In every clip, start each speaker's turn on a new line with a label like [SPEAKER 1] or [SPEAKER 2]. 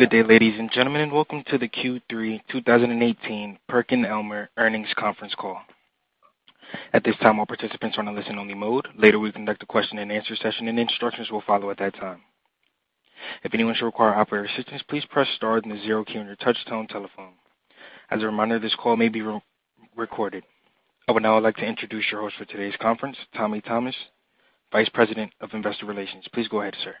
[SPEAKER 1] Good day, ladies and gentlemen, welcome to the Q3 2018 PerkinElmer Earnings Conference Call. At this time, all participants are on a listen-only mode. Later, we'll conduct a question-and-answer session. Instructions will follow at that time. If anyone should require operator assistance, please press star then the zero key on your touchtone telephone. As a reminder, this call may be recorded. I would now like to introduce your host for today's conference, Tommy Thomas, Vice President of Investor Relations. Please go ahead, sir.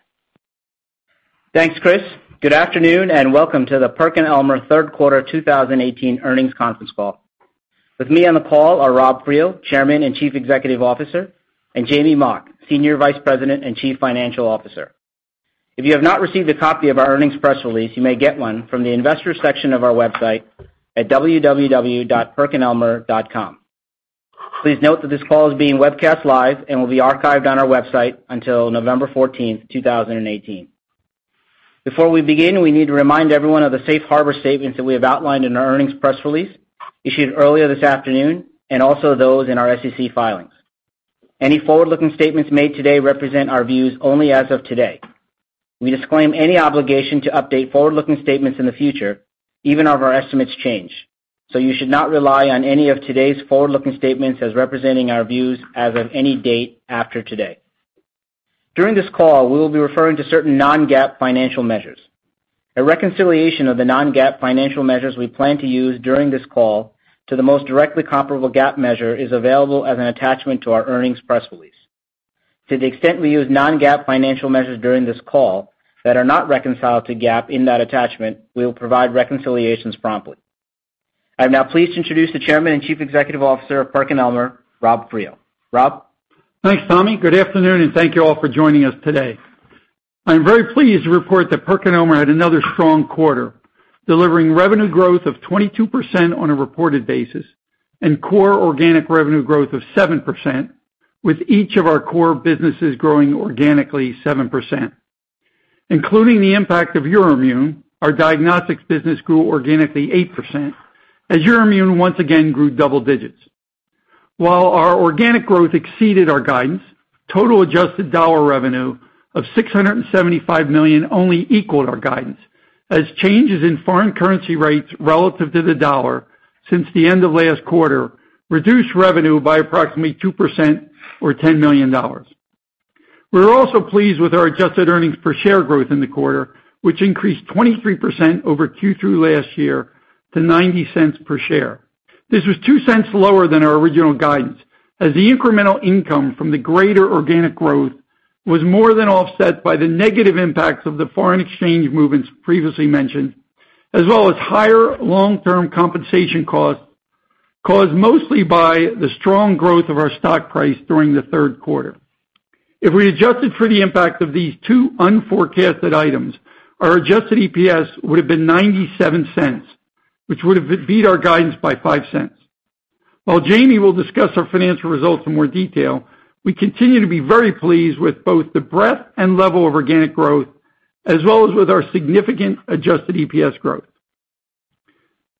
[SPEAKER 2] Thanks, Chris. Good afternoon, welcome to the PerkinElmer Third Quarter 2018 Earnings Conference Call. With me on the call are Rob Friel, Chairman and Chief Executive Officer, and Jamey Mock, Senior Vice President and Chief Financial Officer. If you have not received a copy of our earnings press release, you may get one from the Investors section of our website at perkinelmer.com. Please note that this call is being webcast live and will be archived on our website until November 14th, 2018. Before we begin, we need to remind everyone of the safe harbor statements that we have outlined in our earnings press release issued earlier this afternoon. Also those in our SEC filings. Any forward-looking statements made today represent our views only as of today. We disclaim any obligation to update forward-looking statements in the future, even if our estimates change. You should not rely on any of today's forward-looking statements as representing our views as of any date after today. During this call, we will be referring to certain non-GAAP financial measures. A reconciliation of the non-GAAP financial measures we plan to use during this call to the most directly comparable GAAP measure is available as an attachment to our earnings press release. To the extent we use non-GAAP financial measures during this call that are not reconciled to GAAP in that attachment, we will provide reconciliations promptly. I am now pleased to introduce the Chairman and Chief Executive Officer of PerkinElmer, Rob Friel. Rob?
[SPEAKER 3] Thanks, Tommy. Good afternoon, thank you all for joining us today. I'm very pleased to report that PerkinElmer had another strong quarter, delivering revenue growth of 22% on a reported basis and core organic revenue growth of 7%, with each of our core businesses growing organically 7%. Including the impact of Euroimmun, our diagnostics business grew organically 8% as Euroimmun once again grew double digits. While our organic growth exceeded our guidance, total adjusted dollar revenue of $675 million only equaled our guidance, as changes in foreign currency rates relative to the dollar since the end of last quarter reduced revenue by approximately 2% or $10 million. We're also pleased with our adjusted earnings per share growth in the quarter, which increased 23% over Q3 last year to $0.90 per share. This was $0.02 lower than our original guidance, as the incremental income from the greater organic growth was more than offset by the negative impacts of the foreign exchange movements previously mentioned, as well as higher long-term compensation costs caused mostly by the strong growth of our stock price during the third quarter. If we adjusted for the impact of these two unforecasted items, our adjusted EPS would have been $0.97, which would have beat our guidance by $0.05. While Jamey will discuss our financial results in more detail, we continue to be very pleased with both the breadth and level of organic growth as well as with our significant adjusted EPS growth.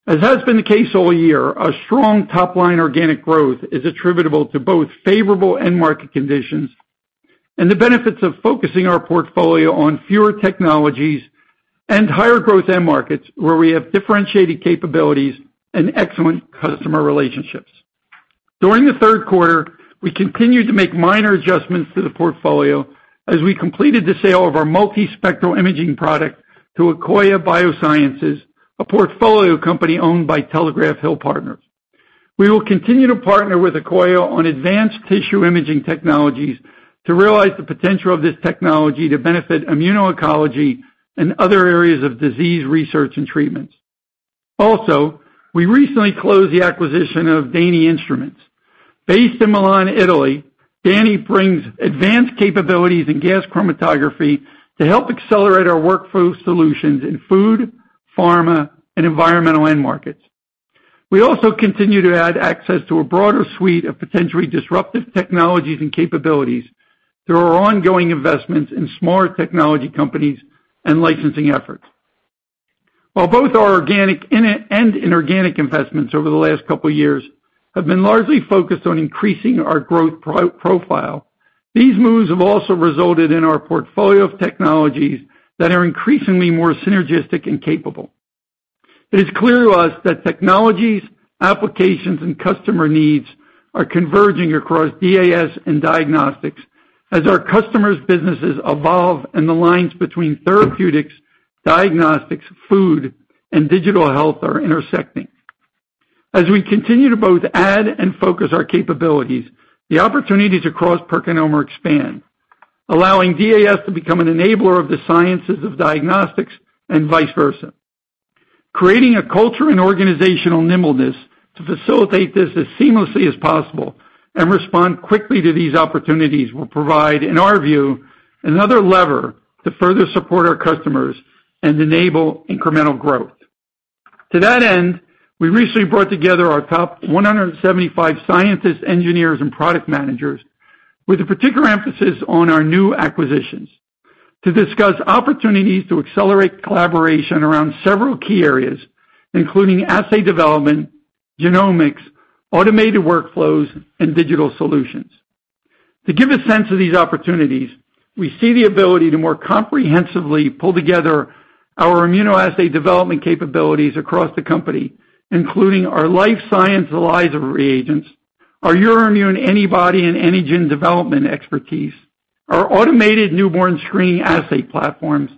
[SPEAKER 3] Has been the case all year, our strong top-line organic growth is attributable to both favorable end market conditions and the benefits of focusing our portfolio on fewer technologies and higher growth end markets where we have differentiated capabilities and excellent customer relationships. During the third quarter, we continued to make minor adjustments to the portfolio as we completed the sale of our multispectral imaging product to Akoya Biosciences, a portfolio company owned by Telegraph Hill Partners. We will continue to partner with Akoya on advanced tissue imaging technologies to realize the potential of this technology to benefit immuno-oncology and other areas of disease research and treatments. We recently closed the acquisition of DANI Instruments. Based in Milan, Italy, DANI brings advanced capabilities in gas chromatography to help accelerate our workflow solutions in food, pharma, and environmental end markets. We also continue to add access to a broader suite of potentially disruptive technologies and capabilities through our ongoing investments in smaller technology companies and licensing efforts. While both our organic and inorganic investments over the last couple of years have been largely focused on increasing our growth profile, these moves have also resulted in our portfolio of technologies that are increasingly more synergistic and capable. It is clear to us that technologies, applications, and customer needs are converging across DAS and diagnostics as our customers' businesses evolve and the lines between therapeutics, diagnostics, food, and digital health are intersecting. We continue to both add and focus our capabilities, the opportunities across PerkinElmer expand, allowing DAS to become an enabler of the sciences of diagnostics and vice versa. Creating a culture and organizational nimbleness to facilitate this as seamlessly as possible and respond quickly to these opportunities will provide, in our view, another lever to further support our customers and enable incremental growth. To that end, we recently brought together our top 175 scientists, engineers, and product managers with a particular emphasis on our new acquisitions to discuss opportunities to accelerate collaboration around several key areas, including assay development, genomics, automated workflows, and digital solutions. To give a sense of these opportunities, we see the ability to more comprehensively pull together our immunoassay development capabilities across the company, including our life science ELISA reagents, our Euroimmun antibody and antigen development expertise, our automated newborn screening assay platforms,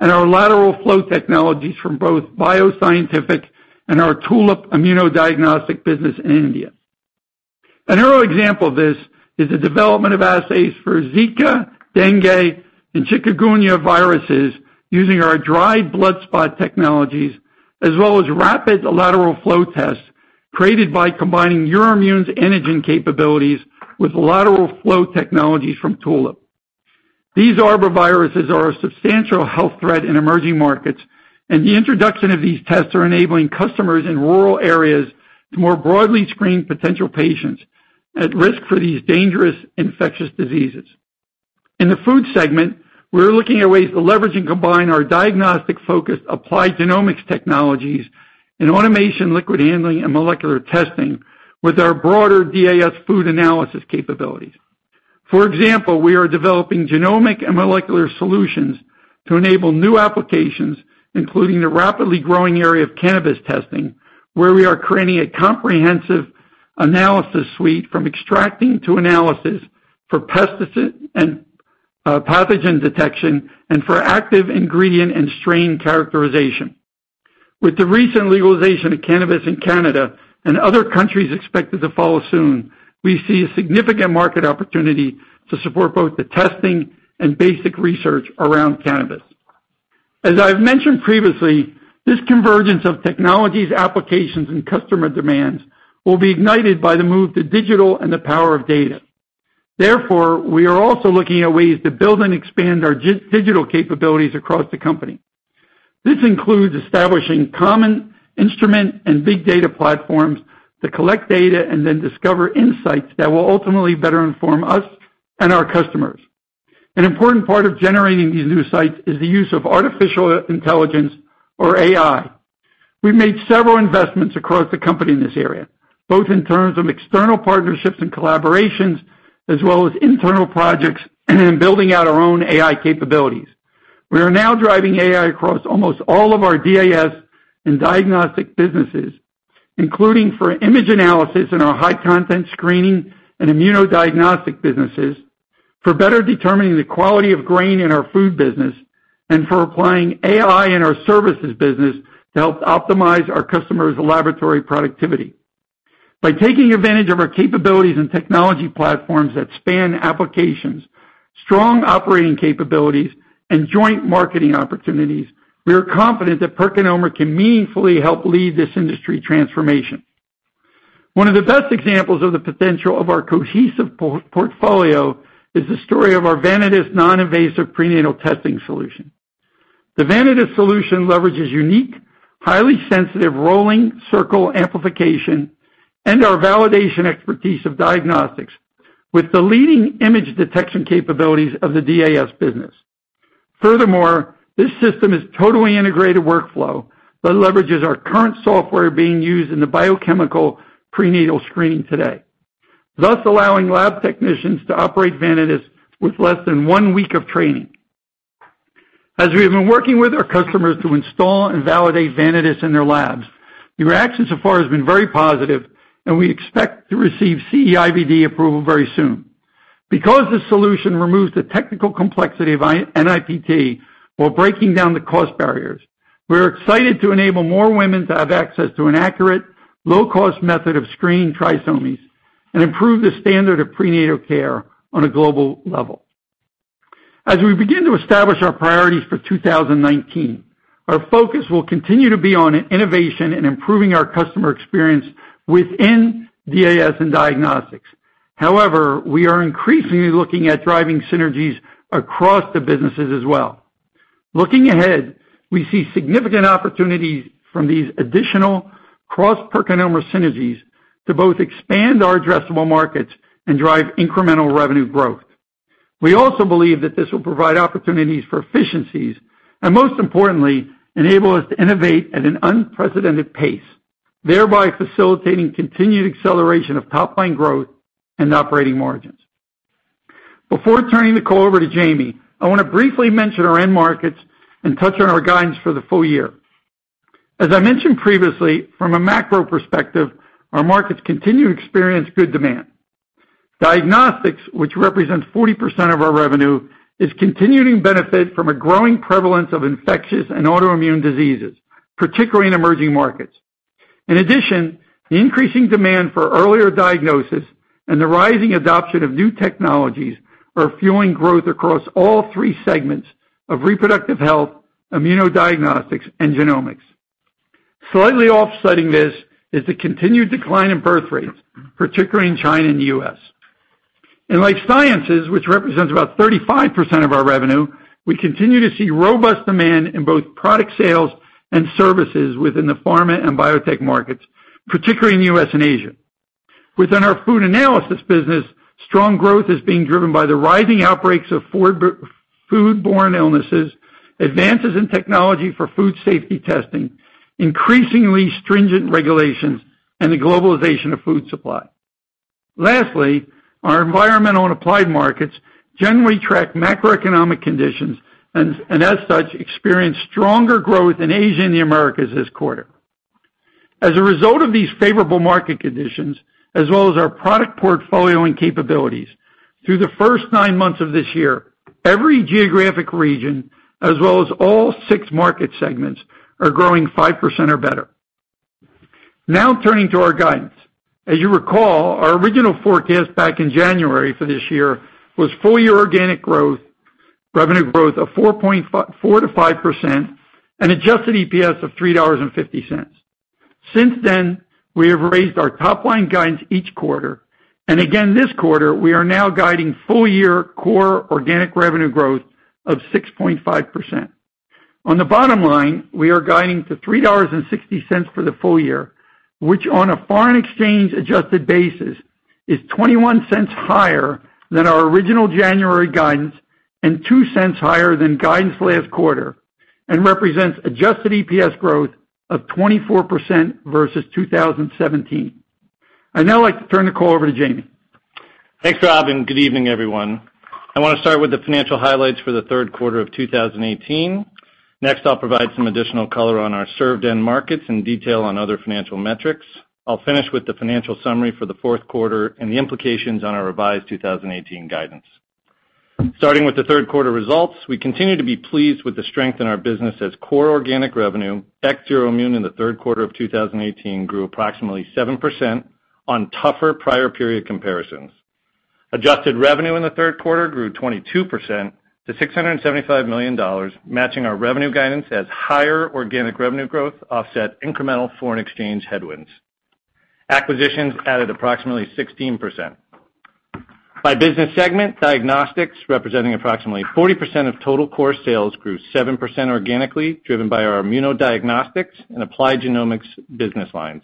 [SPEAKER 3] and our lateral flow technologies from both Bio-Scientific and our Tulip immunodiagnostic business in India. An early example of this is the development of assays for Zika, dengue, and chikungunya viruses using our dried blood spot technologies, as well as rapid lateral flow tests created by combining Euroimmun's antigen capabilities with lateral flow technologies from Tulip. These arboviruses are a substantial health threat in emerging markets, the introduction of these tests are enabling customers in rural areas to more broadly screen potential patients at risk for these dangerous infectious diseases. In the food segment, we're looking at ways to leverage and combine our diagnostic-focused applied genomics technologies in automation, liquid handling, and molecular testing with our broader DAS food analysis capabilities. For example, we are developing genomic and molecular solutions to enable new applications, including the rapidly growing area of cannabis testing, where we are creating a comprehensive analysis suite from extracting to analysis for pathogen detection and for active ingredient and strain characterization. With the recent legalization of cannabis in Canada and other countries expected to follow soon, we see a significant market opportunity to support both the testing and basic research around cannabis. As I've mentioned previously, this convergence of technologies, applications, and customer demands will be ignited by the move to digital and the power of data. We are also looking at ways to build and expand our digital capabilities across the company. This includes establishing common instrument and big data platforms to collect data to discover insights that will ultimately better inform us and our customers. An important part of generating these new insights is the use of artificial intelligence or AI. We've made several investments across the company in this area, both in terms of external partnerships and collaborations, as well as internal projects and building out our own AI capabilities. We are now driving AI across almost all of our DAS and diagnostic businesses, including for image analysis in our high content screening and immunodiagnostic businesses, for better determining the quality of grain in our food business, and for applying AI in our services business to help optimize our customers' laboratory productivity. By taking advantage of our capabilities and technology platforms that span applications, strong operating capabilities, and joint marketing opportunities, we are confident that PerkinElmer can meaningfully help lead this industry transformation. One of the best examples of the potential of our cohesive portfolio is the story of our Vanadis non-invasive prenatal testing solution. The Vanadis solution leverages unique, highly sensitive rolling circle amplification, and our validation expertise of diagnostics with the leading image detection capabilities of the DAS business. This system is totally integrated workflow that leverages our current software being used in the biochemical prenatal screening today, thus allowing lab technicians to operate Vanadis with less than one week of training. As we have been working with our customers to install and validate Vanadis in their labs, the reaction so far has been very positive, and we expect to receive CE-IVD approval very soon. This solution removes the technical complexity of NIPT while breaking down the cost barriers, we're excited to enable more women to have access to an accurate, low-cost method of screening trisomies and improve the standard of prenatal care on a global level. As we begin to establish our priorities for 2019, our focus will continue to be on innovation and improving our customer experience within DAS and diagnostics. We are increasingly looking at driving synergies across the businesses as well. Looking ahead, we see significant opportunities from these additional cross PerkinElmer synergies to both expand our addressable markets and drive incremental revenue growth. We also believe that this will provide opportunities for efficiencies, most importantly, enable us to innovate at an unprecedented pace, thereby facilitating continued acceleration of top-line growth and operating margins. Before turning the call over to Jamey, I want to briefly mention our end markets and touch on our guidance for the full year. As I mentioned previously, from a macro perspective, our markets continue to experience good demand. Diagnostics, which represents 40% of our revenue, is continuing to benefit from a growing prevalence of infectious and autoimmune diseases, particularly in emerging markets. In addition, the increasing demand for earlier diagnosis and the rising adoption of new technologies are fueling growth across all three segments of reproductive health, immunodiagnostics, and genomics. Slightly offsetting this is the continued decline in birth rates, particularly in China and the U.S. In life sciences, which represents about 35% of our revenue, we continue to see robust demand in both product sales and services within the pharma and biotech markets, particularly in the U.S. and Asia. Within our food analysis business, strong growth is being driven by the rising outbreaks of foodborne illnesses. Advances in technology for food safety testing, increasingly stringent regulations, and the globalization of food supply. Lastly, our environmental and applied markets generally track macroeconomic conditions and as such, experienced stronger growth in Asia and the Americas this quarter. As a result of these favorable market conditions, as well as our product portfolio and capabilities, through the first nine months of this year, every geographic region, as well as all 6 market segments, are growing 5% or better. Now, turning to our guidance. As you recall, our original forecast back in January for this year was full-year organic growth, revenue growth of 4%-5%, and adjusted EPS of $3.50. Since then, we have raised our top-line guidance each quarter. Again, this quarter, we are now guiding full-year core organic revenue growth of 6.5%. On the bottom line, we are guiding to $3.60 for the full year, which on a foreign exchange adjusted basis is $0.21 higher than our original January guidance and $0.02 higher than guidance last quarter, and represents adjusted EPS growth of 24% versus 2017. I'd now like to turn the call over to Jamey.
[SPEAKER 4] Thanks, Rob, and good evening, everyone. I want to start with the financial highlights for the third quarter of 2018. Next, I'll provide some additional color on our served end markets and detail on other financial metrics. I'll finish with the financial summary for the fourth quarter and the implications on our revised 2018 guidance. Starting with the third quarter results, we continue to be pleased with the strength in our business as core organic revenue, ex Euroimmun in the third quarter of 2018 grew approximately 7% on tougher prior period comparisons. Adjusted revenue in the third quarter grew 22% to $675 million, matching our revenue guidance as higher organic revenue growth offset incremental foreign exchange headwinds. Acquisitions added approximately 16%. By business segment, diagnostics, representing approximately 40% of total core sales, grew 7% organically, driven by our immunodiagnostics and applied genomics business lines.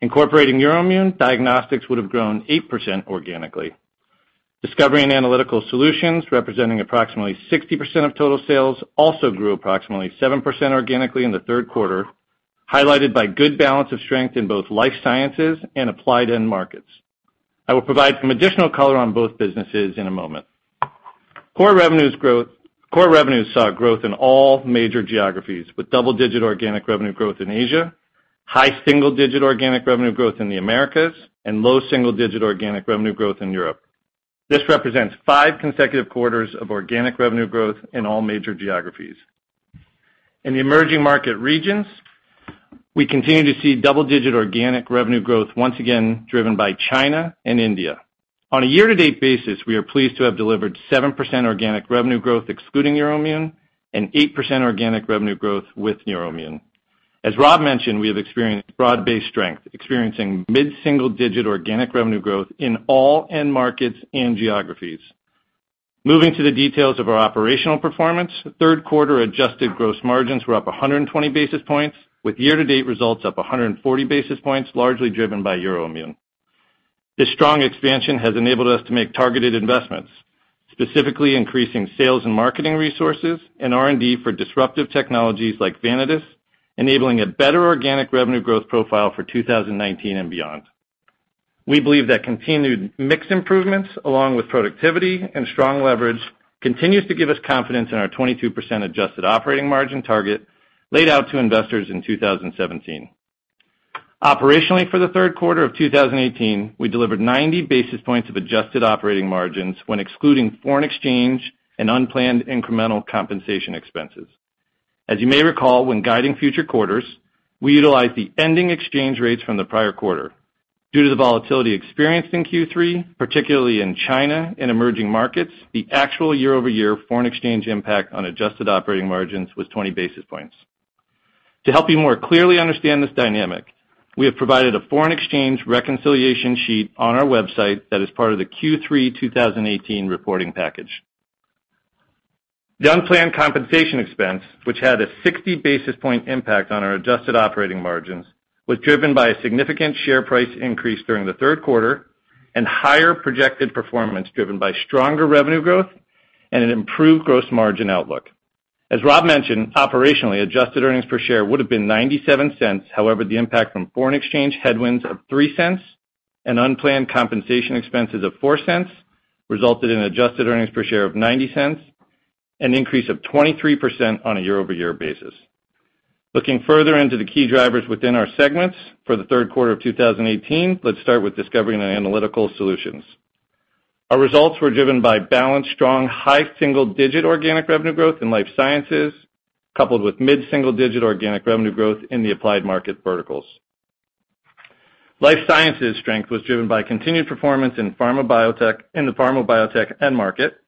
[SPEAKER 4] Incorporating Euroimmun, diagnostics would have grown 8% organically. Discovery and Analytical Solutions, representing approximately 60% of total sales, also grew approximately 7% organically in the third quarter, highlighted by good balance of strength in both life sciences and applied end markets. I will provide some additional color on both businesses in a moment. Core revenues saw growth in all major geographies, with double-digit organic revenue growth in Asia, high single-digit organic revenue growth in the Americas, and low single-digit organic revenue growth in Europe. This represents five consecutive quarters of organic revenue growth in all major geographies. In the emerging market regions, we continue to see double-digit organic revenue growth, once again driven by China and India. On a year-to-date basis, we are pleased to have delivered 7% organic revenue growth excluding Euroimmun, and 8% organic revenue growth with Euroimmun. As Rob mentioned, we have experienced broad-based strength, experiencing mid-single digit organic revenue growth in all end markets and geographies. Moving to the details of our operational performance, third quarter adjusted gross margins were up 120 basis points with year-to-date results up 140 basis points, largely driven by Euroimmun. This strong expansion has enabled us to make targeted investments, specifically increasing sales and marketing resources and R&D for disruptive technologies like Vanadis, enabling a better organic revenue growth profile for 2019 and beyond. We believe that continued mixed improvements along with productivity and strong leverage continues to give us confidence in our 22% adjusted operating margin target laid out to investors in 2017. Operationally, for the third quarter of 2018, we delivered 90 basis points of adjusted operating margins when excluding foreign exchange and unplanned incremental compensation expenses. As you may recall, when guiding future quarters, we utilize the ending exchange rates from the prior quarter. Due to the volatility experienced in Q3, particularly in China and emerging markets, the actual year-over-year foreign exchange impact on adjusted operating margins was 20 basis points. To help you more clearly understand this dynamic, we have provided a foreign exchange reconciliation sheet on our website that is part of the Q3 2018 reporting package. The unplanned compensation expense, which had a 60 basis point impact on our adjusted operating margins, was driven by a significant share price increase during the third quarter and higher projected performance driven by stronger revenue growth and an improved gross margin outlook. As Rob mentioned, operationally, adjusted earnings per share would have been $0.97. The impact from foreign exchange headwinds of $0.03 and unplanned compensation expenses of $0.04 resulted in adjusted earnings per share of $0.90, an increase of 23% on a year-over-year basis. Looking further into the key drivers within our segments for the third quarter of 2018, let's start with Discovery and Analytical Solutions. Our results were driven by balanced strong high single-digit organic revenue growth in life sciences, coupled with mid-single digit organic revenue growth in the applied market verticals. Life sciences strength was driven by continued performance in the pharma biotech end market.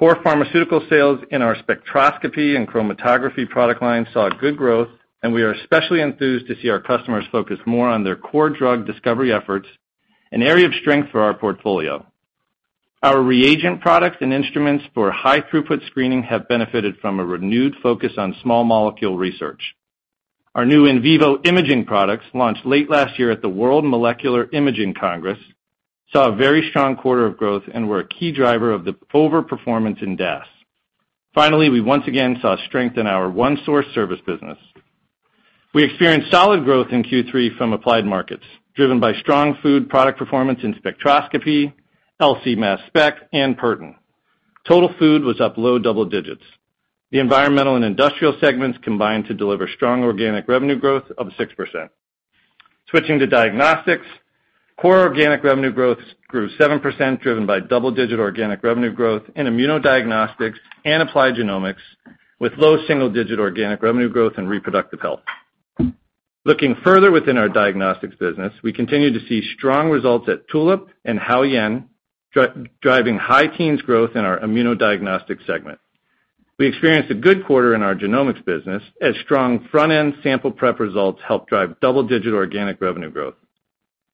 [SPEAKER 4] Core pharmaceutical sales in our spectroscopy and chromatography product lines saw good growth, and we are especially enthused to see our customers focus more on their core drug discovery efforts, an area of strength for our portfolio. Our reagent products and instruments for high-throughput screening have benefited from a renewed focus on small molecule research. Our new in vivo imaging products launched late last year at the World Molecular Imaging Congress, saw a very strong quarter of growth and were a key driver of the over-performance in DAS. Finally, we once again saw strength in our OneSource service business. We experienced solid growth in Q3 from applied markets, driven by strong food product performance in spectroscopy, LC-MS/MS, and Perten. Total food was up low double digits. The environmental and industrial segments combined to deliver strong organic revenue growth of 6%. Switching to diagnostics, core organic revenue grew 7%, driven by double-digit organic revenue growth in immunodiagnostics and applied genomics, with low single-digit organic revenue growth in reproductive health. Looking further within our diagnostics business, we continue to see strong results at Tulip and Haoyuan, driving high teens growth in our immunodiagnostic segment. We experienced a good quarter in our genomics business as strong front-end sample prep results helped drive double-digit organic revenue growth.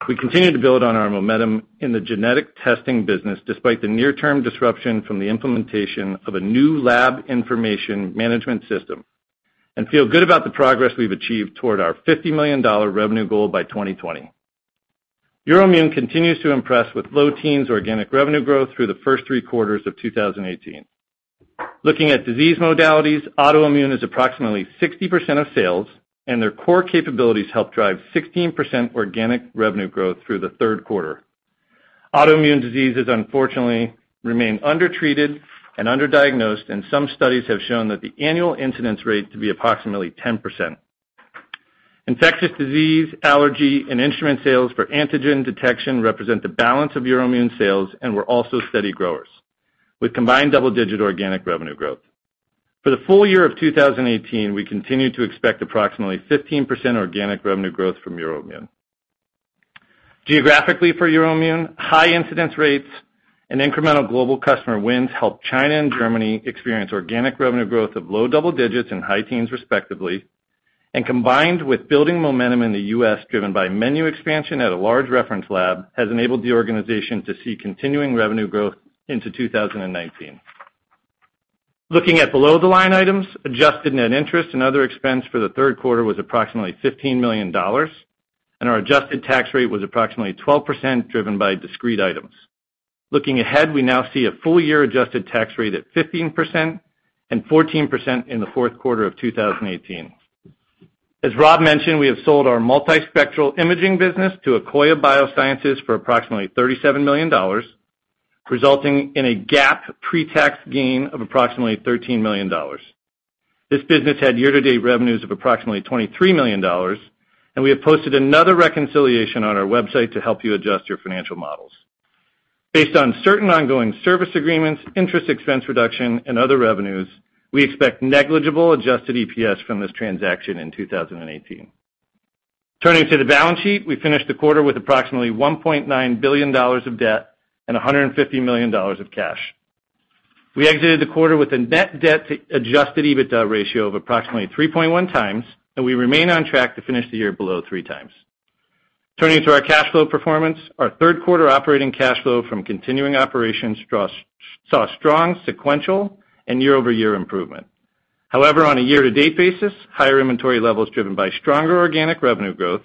[SPEAKER 4] We continue to build on our momentum in the genetic testing business despite the near-term disruption from the implementation of a new lab information management system, and feel good about the progress we've achieved toward our $50 million revenue goal by 2020. Euroimmun continues to impress with low teens organic revenue growth through the first three quarters of 2018. Looking at disease modalities, autoimmune is approximately 60% of sales, and their core capabilities helped drive 16% organic revenue growth through the third quarter. Autoimmune diseases, unfortunately, remain undertreated and underdiagnosed, and some studies have shown that the annual incidence rate to be approximately 10%. Infectious disease, allergy, and instrument sales for antigen detection represent the balance of Euroimmun sales and were also steady growers, with combined double-digit organic revenue growth. For the full year of 2018, we continue to expect approximately 15% organic revenue growth from Euroimmun. Geographically for Euroimmun, high incidence rates and incremental global customer wins helped China and Germany experience organic revenue growth of low double digits and high teens respectively. Combined with building momentum in the U.S., driven by menu expansion at a large reference lab, has enabled the organization to see continuing revenue growth into 2019. Looking at below the line items, adjusted net interest and other expense for the third quarter was approximately $15 million, and our adjusted tax rate was approximately 12%, driven by discrete items. Looking ahead, we now see a full year adjusted tax rate at 15% and 14% in the fourth quarter of 2018. As Rob mentioned, we have sold our multispectral imaging business to Akoya Biosciences for approximately $37 million, resulting in a GAAP pre-tax gain of approximately $13 million. This business had year-to-date revenues of approximately $23 million, and we have posted another reconciliation on our website to help you adjust your financial models. Based on certain ongoing service agreements, interest expense reduction, and other revenues, we expect negligible adjusted EPS from this transaction in 2018. Turning to the balance sheet. We finished the quarter with approximately $1.9 billion of debt and $150 million of cash. We exited the quarter with a net debt to adjusted EBITDA ratio of approximately 3.1 times, and we remain on track to finish the year below 3 times. Turning to our cash flow performance, our third quarter operating cash flow from continuing operations saw strong sequential and year-over-year improvement. On a year-to-date basis, higher inventory levels driven by stronger organic revenue growth,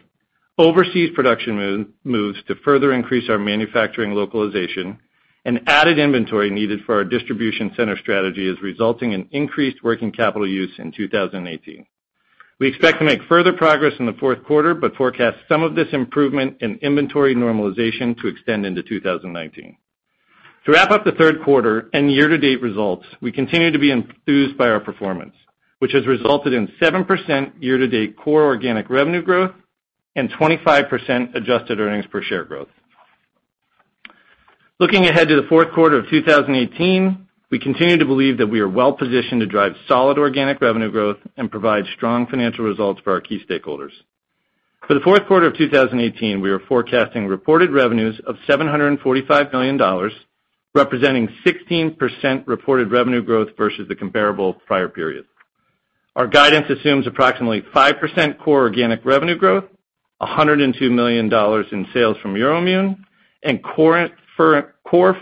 [SPEAKER 4] overseas production moves to further increase our manufacturing localization, and added inventory needed for our distribution center strategy is resulting in increased working capital use in 2018. We expect to make further progress in the fourth quarter, forecast some of this improvement in inventory normalization to extend into 2019. To wrap up the third quarter and year-to-date results, we continue to be enthused by our performance, which has resulted in 7% year-to-date core organic revenue growth and 25% adjusted earnings per share growth. Looking ahead to the fourth quarter of 2018, we continue to believe that we are well-positioned to drive solid organic revenue growth and provide strong financial results for our key stakeholders. For the fourth quarter of 2018, we are forecasting reported revenues of $745 million, representing 16% reported revenue growth versus the comparable prior period. Our guidance assumes approximately 5% core organic revenue growth, $102 million in sales from Euroimmun, and core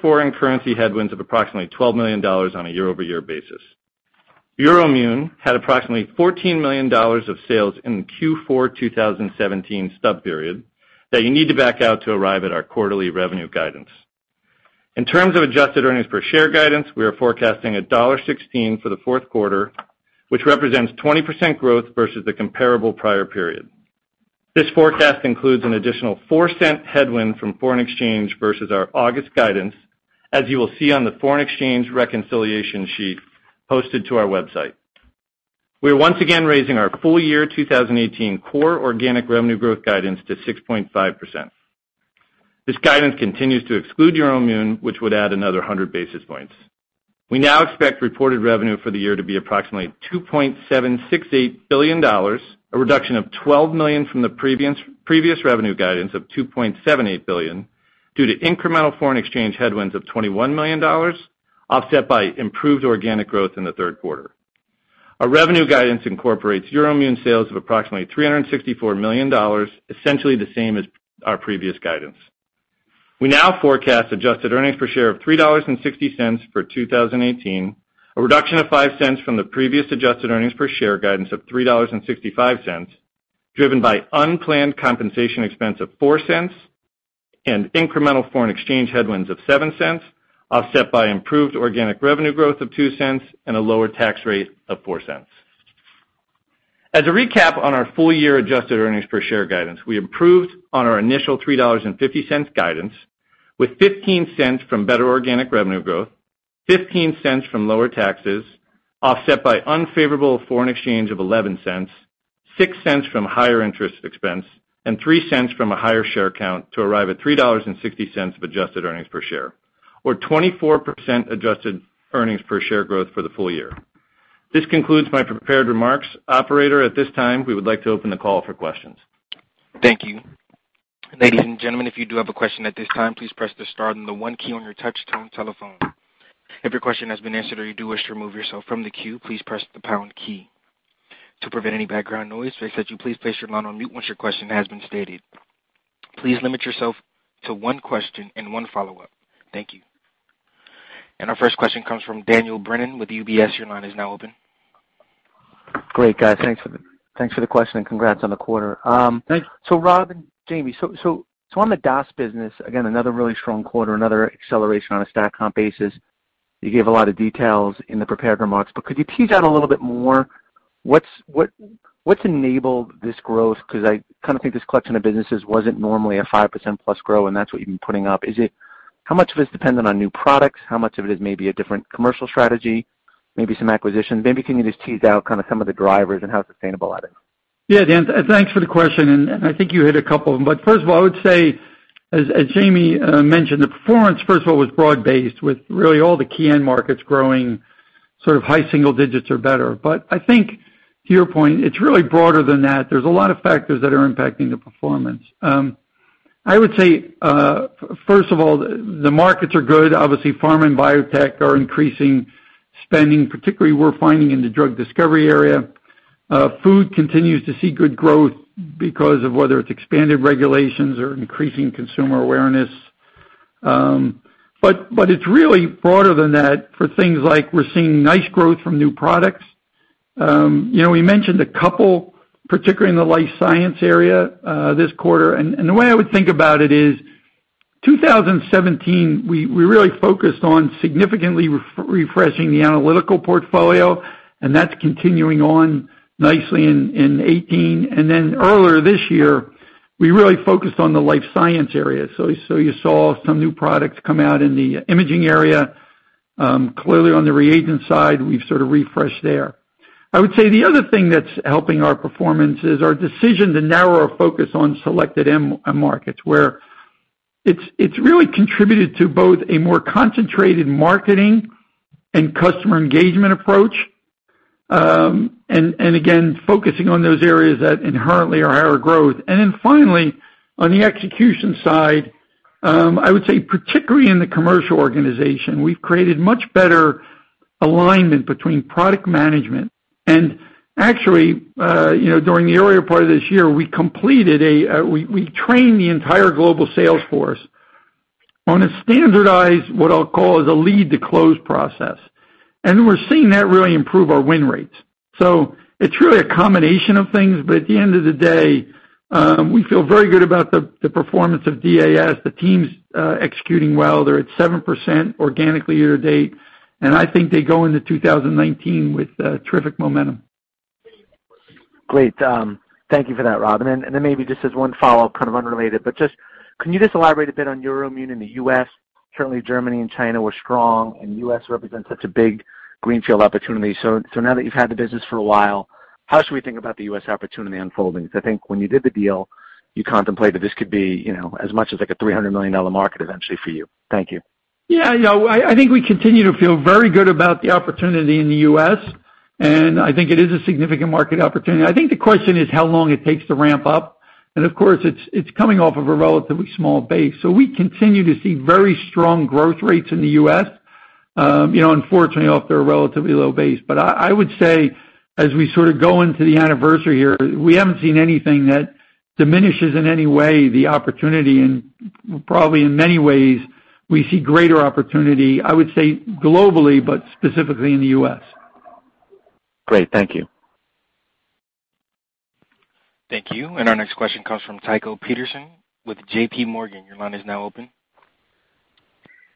[SPEAKER 4] foreign currency headwinds of approximately $12 million on a year-over-year basis. Euroimmun had approximately $14 million of sales in the Q4 2017 stub period that you need to back out to arrive at our quarterly revenue guidance. In terms of adjusted earnings per share guidance, we are forecasting $1.16 for the fourth quarter, which represents 20% growth versus the comparable prior period. This forecast includes an additional $0.04 headwind from foreign exchange versus our August guidance, as you will see on the foreign exchange reconciliation sheet posted to our website. We are once again raising our full year 2018 core organic revenue growth guidance to 6.5%. This guidance continues to exclude Euroimmun, which would add another 100 basis points. We now expect reported revenue for the year to be approximately $2.768 billion, a reduction of $12 million from the previous revenue guidance of $2.78 billion, due to incremental foreign exchange headwinds of $21 million, offset by improved organic growth in the third quarter. Our revenue guidance incorporates Euroimmun sales of approximately $364 million, essentially the same as our previous guidance. We now forecast adjusted earnings per share of $3.60 for 2018, a reduction of $0.05 from the previous adjusted earnings per share guidance of $3.65, driven by unplanned compensation expense of $0.04 and incremental foreign exchange headwinds of $0.07, offset by improved organic revenue growth of $0.02 and a lower tax rate of $0.04. As a recap on our full year adjusted earnings per share guidance, we improved on our initial $3.50 guidance with $0.15 from better organic revenue growth, $0.15 from lower taxes, offset by unfavorable foreign exchange of $0.11, $0.06 from higher interest expense, and $0.03 from a higher share count to arrive at $3.60 of adjusted earnings per share, or 24% adjusted earnings per share growth for the full year. This concludes my prepared remarks. Operator, at this time, we would like to open the call for questions.
[SPEAKER 1] Thank you. Ladies and gentlemen, if you do have a question at this time, please press the star then the one key on your touchtone telephone. If your question has been answered or you do wish to remove yourself from the queue, please press the pound key. To prevent any background noise, we ask that you please place your line on mute once your question has been stated. Please limit yourself to one question and one follow-up. Thank you. Our first question comes from Daniel Brennan with UBS. Your line is now open.
[SPEAKER 5] Great, guys. Thanks for the question and congrats on the quarter.
[SPEAKER 4] Thanks.
[SPEAKER 5] Rob and Jamey, on the DAS business, again, another really strong quarter, another acceleration on a stack comp basis. You gave a lot of details in the prepared remarks, but could you tease out a little bit more what's enabled this growth? Because I kind of think this collection of businesses wasn't normally a 5% plus growth, and that's what you've been putting up. How much of it is dependent on new products? How much of it is maybe a different commercial strategy, maybe some acquisitions? Can you just tease out kind of some of the drivers and how sustainable that is?
[SPEAKER 3] Dan, thanks for the question. I think you hit a couple of them. First of all, I would say, as Jamie mentioned, the performance, first of all, was broad-based, with really all the key end markets growing sort of high single digits or better. I think to your point, it's really broader than that. There's a lot of factors that are impacting the performance. I would say, first of all, the markets are good. Obviously, pharma and biotech are increasing spending, particularly we're finding in the drug discovery area. Food continues to see good growth because of whether it's expanded regulations or increasing consumer awareness. It's really broader than that for things like we're seeing nice growth from new products. We mentioned a couple, particularly in the life science area this quarter. The way I would think about it is, 2017, we really focused on significantly refreshing the analytical portfolio, and that's continuing on nicely in 2018. Earlier this year, we really focused on the life science area. You saw some new products come out in the imaging area. Clearly on the reagent side, we've sort of refreshed there. I would say the other thing that's helping our performance is our decision to narrow our focus on selected end markets, where it's really contributed to both a more concentrated marketing and customer engagement approach. Again, focusing on those areas that inherently are higher growth. Finally, on the execution side, I would say particularly in the commercial organization, we've created much better alignment between product management. Actually, during the earlier part of this year, we trained the entire global sales force on a standardized, what I'll call is a lead-to-close process. We're seeing that really improve our win rates. It's really a combination of things. At the end of the day, we feel very good about the performance of DAS. The team's executing well. They're at 7% organically year to date, and I think they go into 2019 with terrific momentum.
[SPEAKER 5] Great. Thank you for that, Rob. Maybe just as one follow-up, kind of unrelated, but just can you just elaborate a bit on Euroimmun in the U.S.? Certainly, Germany and China were strong, and U.S. represents such a big greenfield opportunity. Now that you've had the business for a while, how should we think about the U.S. opportunity unfolding? Because I think when you did the deal, you contemplated this could be as much as like a $300 million market eventually for you. Thank you.
[SPEAKER 3] Yeah. I think we continue to feel very good about the opportunity in the U.S., and I think it is a significant market opportunity. I think the question is how long it takes to ramp up, and of course, it's coming off of a relatively small base. We continue to see very strong growth rates in the U.S., unfortunately, off their relatively low base. I would say, as we sort of go into the anniversary here, we haven't seen anything that diminishes in any way the opportunity, and probably in many ways, we see greater opportunity, I would say, globally, but specifically in the U.S.
[SPEAKER 5] Great. Thank you.
[SPEAKER 1] Thank you. Our next question comes from Tycho Peterson with J.P. Morgan. Your line is now open.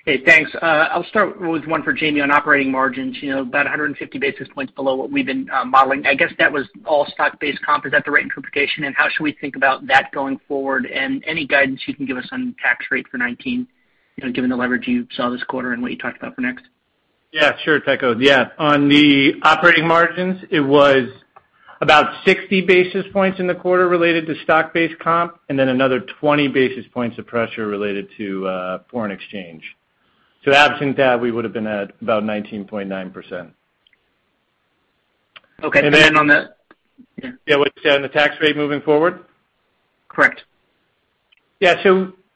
[SPEAKER 6] Hey, thanks. I'll start with one for Jamey on operating margins. About 150 basis points below what we've been modeling. I guess that was all stock-based comp. Is that the right interpretation, and how should we think about that going forward? Any guidance you can give us on tax rate for 2019, given the leverage you saw this quarter and what you talked about for next?
[SPEAKER 4] Yeah, sure, Tycho. Yeah. On the operating margins, it was about 60 basis points in the quarter related to stock-based comp, then another 20 basis points of pressure related to foreign exchange. Absent that, we would've been at about 19.9%.
[SPEAKER 6] Okay. Then on the-
[SPEAKER 4] Yeah, what you said on the tax rate moving forward?
[SPEAKER 6] Correct.
[SPEAKER 4] Yeah.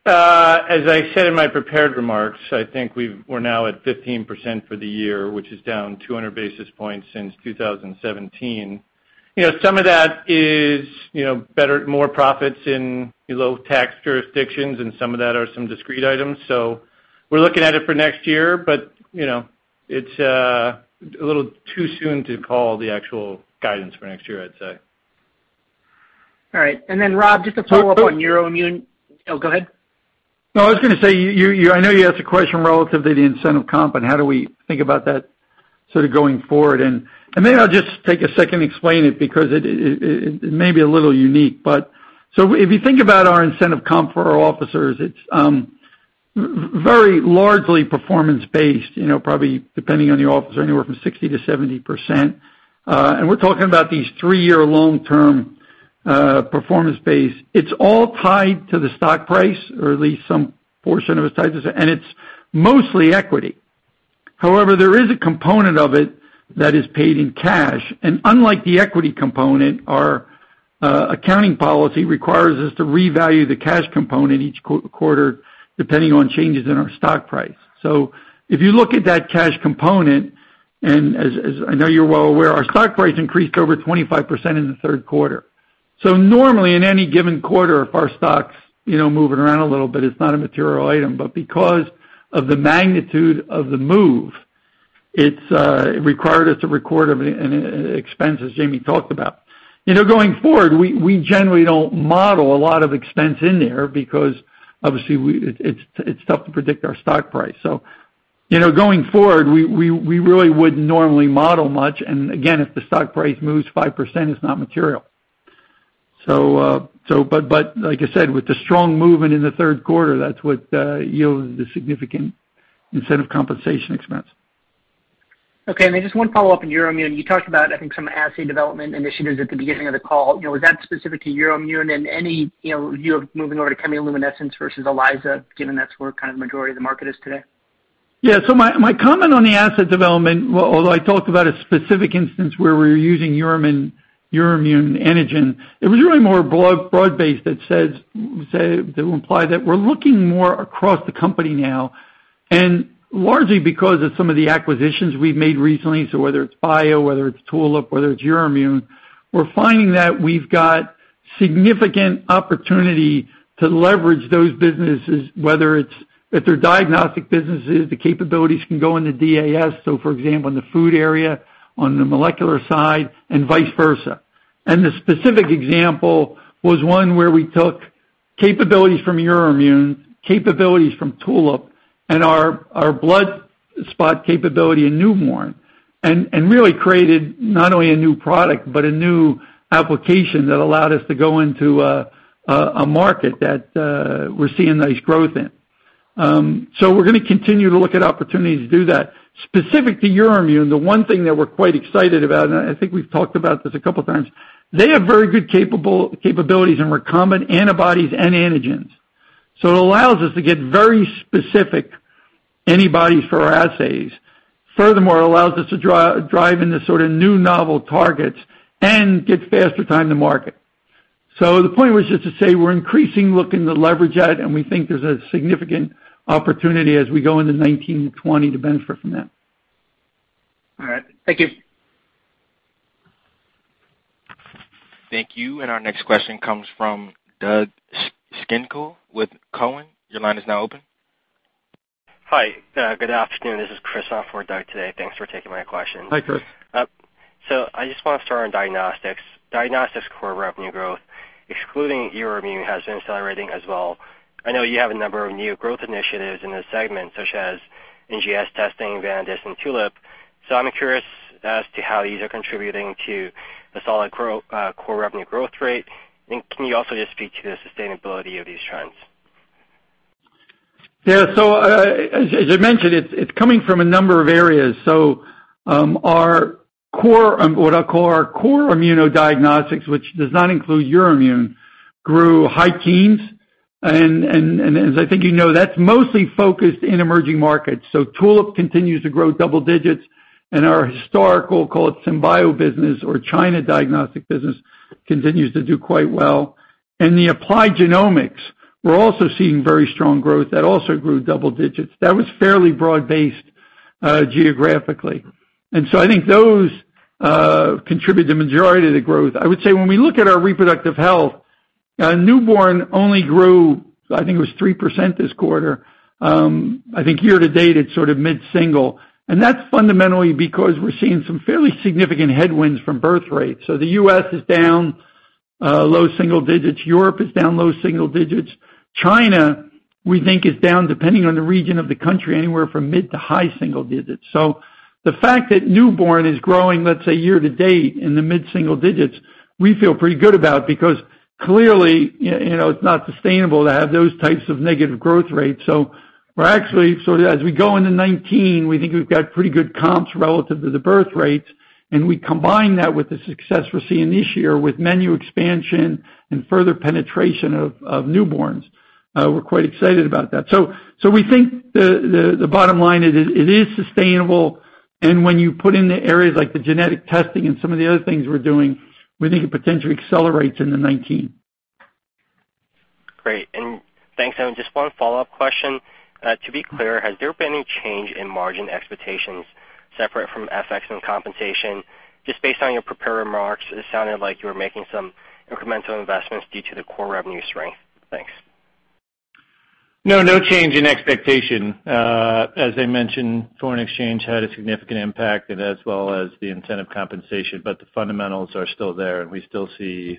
[SPEAKER 4] As I said in my prepared remarks, I think we're now at 15% for the year, which is down 200 basis points since 2017. Some of that is more profits in low tax jurisdictions and some of that are some discrete items. We're looking at it for next year, but it's a little too soon to call the actual guidance for next year, I'd say.
[SPEAKER 6] All right. Then Rob, just a follow-up on Euroimmun. Oh, go ahead.
[SPEAKER 3] I was going to say, I know you asked a question relative to the incentive comp and how do we think about that going forward. Maybe I'll just take a second to explain it, because it may be a little unique. If you think about our incentive comp for our officers, it's very largely performance-based, probably depending on the officer, anywhere from 60%-70%. We're talking about these three-year long-term, performance-based. It's all tied to the stock price, or at least some portion of it is tied to the stock, and it's mostly equity. However, there is a component of it that is paid in cash, and unlike the equity component, our accounting policy requires us to revalue the cash component each quarter, depending on changes in our stock price. If you look at that cash component, and as I know you're well aware, our stock price increased over 25% in the third quarter. Normally, in any given quarter, if our stock's moving around a little bit, it's not a material item. Because of the magnitude of the move, it required us to record an expense, as Jamey talked about. Going forward, we generally don't model a lot of expense in there because obviously it's tough to predict our stock price. Going forward, we really wouldn't normally model much, and again, if the stock price moves 5%, it's not material. Like I said, with the strong movement in the third quarter, that's what yielded the significant incentive compensation expense.
[SPEAKER 6] Okay. Just one follow-up on Euroimmun. You talked about, I think, some assay development initiatives at the beginning of the call. Was that specific to Euroimmun and any view of moving over to chemiluminescence versus ELISA, given that's where kind of the majority of the market is today?
[SPEAKER 3] Yeah. My comment on the assay development, although I talked about a specific instance where we were using Euroimmun antigen, it was really more broad-based that will imply that we're looking more across the company now, and largely because of some of the acquisitions we've made recently. Whether it's Bio, whether it's Tulip, whether it's Euroimmun, we're finding that we've got significant opportunity to leverage those businesses, whether if they're diagnostic businesses, the capabilities can go into DAS, for example, in the food area, on the molecular side, and vice versa. The specific example was one where we took capabilities from Euroimmun, capabilities from Tulip, and our blood spot capability in newborn, and really created not only a new product, but a new application that allowed us to go into a market that we're seeing nice growth in. We're going to continue to look at opportunities to do that. Specific to Euroimmun, the one thing that we're quite excited about, and I think we've talked about this a couple of times, they have very good capabilities in recombinant antibodies and antigens. It allows us to get very specific antibodies for our assays. Furthermore, it allows us to drive into sort of new novel targets and get faster time to market. The point was just to say we're increasing looking to leverage that, and we think there's a significant opportunity as we go into 2019 and 2020 to benefit from that.
[SPEAKER 6] All right. Thank you.
[SPEAKER 1] Thank you. Our next question comes from Doug Schenkel with Cowen. Your line is now open.
[SPEAKER 7] Hi. Good afternoon. This is Chris on for Doug today. Thanks for taking my question.
[SPEAKER 3] Hi, Chris.
[SPEAKER 7] I just want to start on diagnostics. Diagnostics core revenue growth, excluding Euroimmun, has been accelerating as well. I know you have a number of new growth initiatives in this segment, such as NGS testing, Vanadis, and Tulip. I'm curious as to how these are contributing to the solid core revenue growth rate. Can you also just speak to the sustainability of these trends?
[SPEAKER 3] Yeah. As I mentioned, it's coming from a number of areas. Our core immunodiagnostics, which does not include Euroimmun, grew high teens. As I think you know, that's mostly focused in emerging markets. Tulip continues to grow double digits, and our historical, call it Symbio business or China diagnostic business, continues to do quite well. In the applied genomics, we're also seeing very strong growth, that also grew double digits. That was fairly broad-based geographically. I think those contribute the majority of the growth. I would say when we look at our reproductive health, newborn only grew, I think it was 3% this quarter. I think year-to-date, it's sort of mid-single. And that's fundamentally because we're seeing some fairly significant headwinds from birth rates. The U.S. is down low single digits. Europe is down low single digits. China, we think is down, depending on the region of the country, anywhere from mid to high single digits. The fact that newborn is growing, let's say year-to-date in the mid single digits, we feel pretty good about because clearly, it's not sustainable to have those types of negative growth rates. We're actually, as we go into 2019, we think we've got pretty good comps relative to the birth rates, and we combine that with the success we're seeing this year with menu expansion and further penetration of newborns. We're quite excited about that. We think the bottom line is it is sustainable, and when you put in the areas like the genetic testing and some of the other things we're doing, we think it potentially accelerates into 2019.
[SPEAKER 7] Great. Thanks. Just one follow-up question. To be clear, has there been any change in margin expectations separate from FX and compensation? Just based on your prepared remarks, it sounded like you were making some incremental investments due to the core revenue strength. Thanks.
[SPEAKER 4] No, no change in expectation. As I mentioned, foreign exchange had a significant impact, and as well as the incentive compensation, the fundamentals are still there, we still see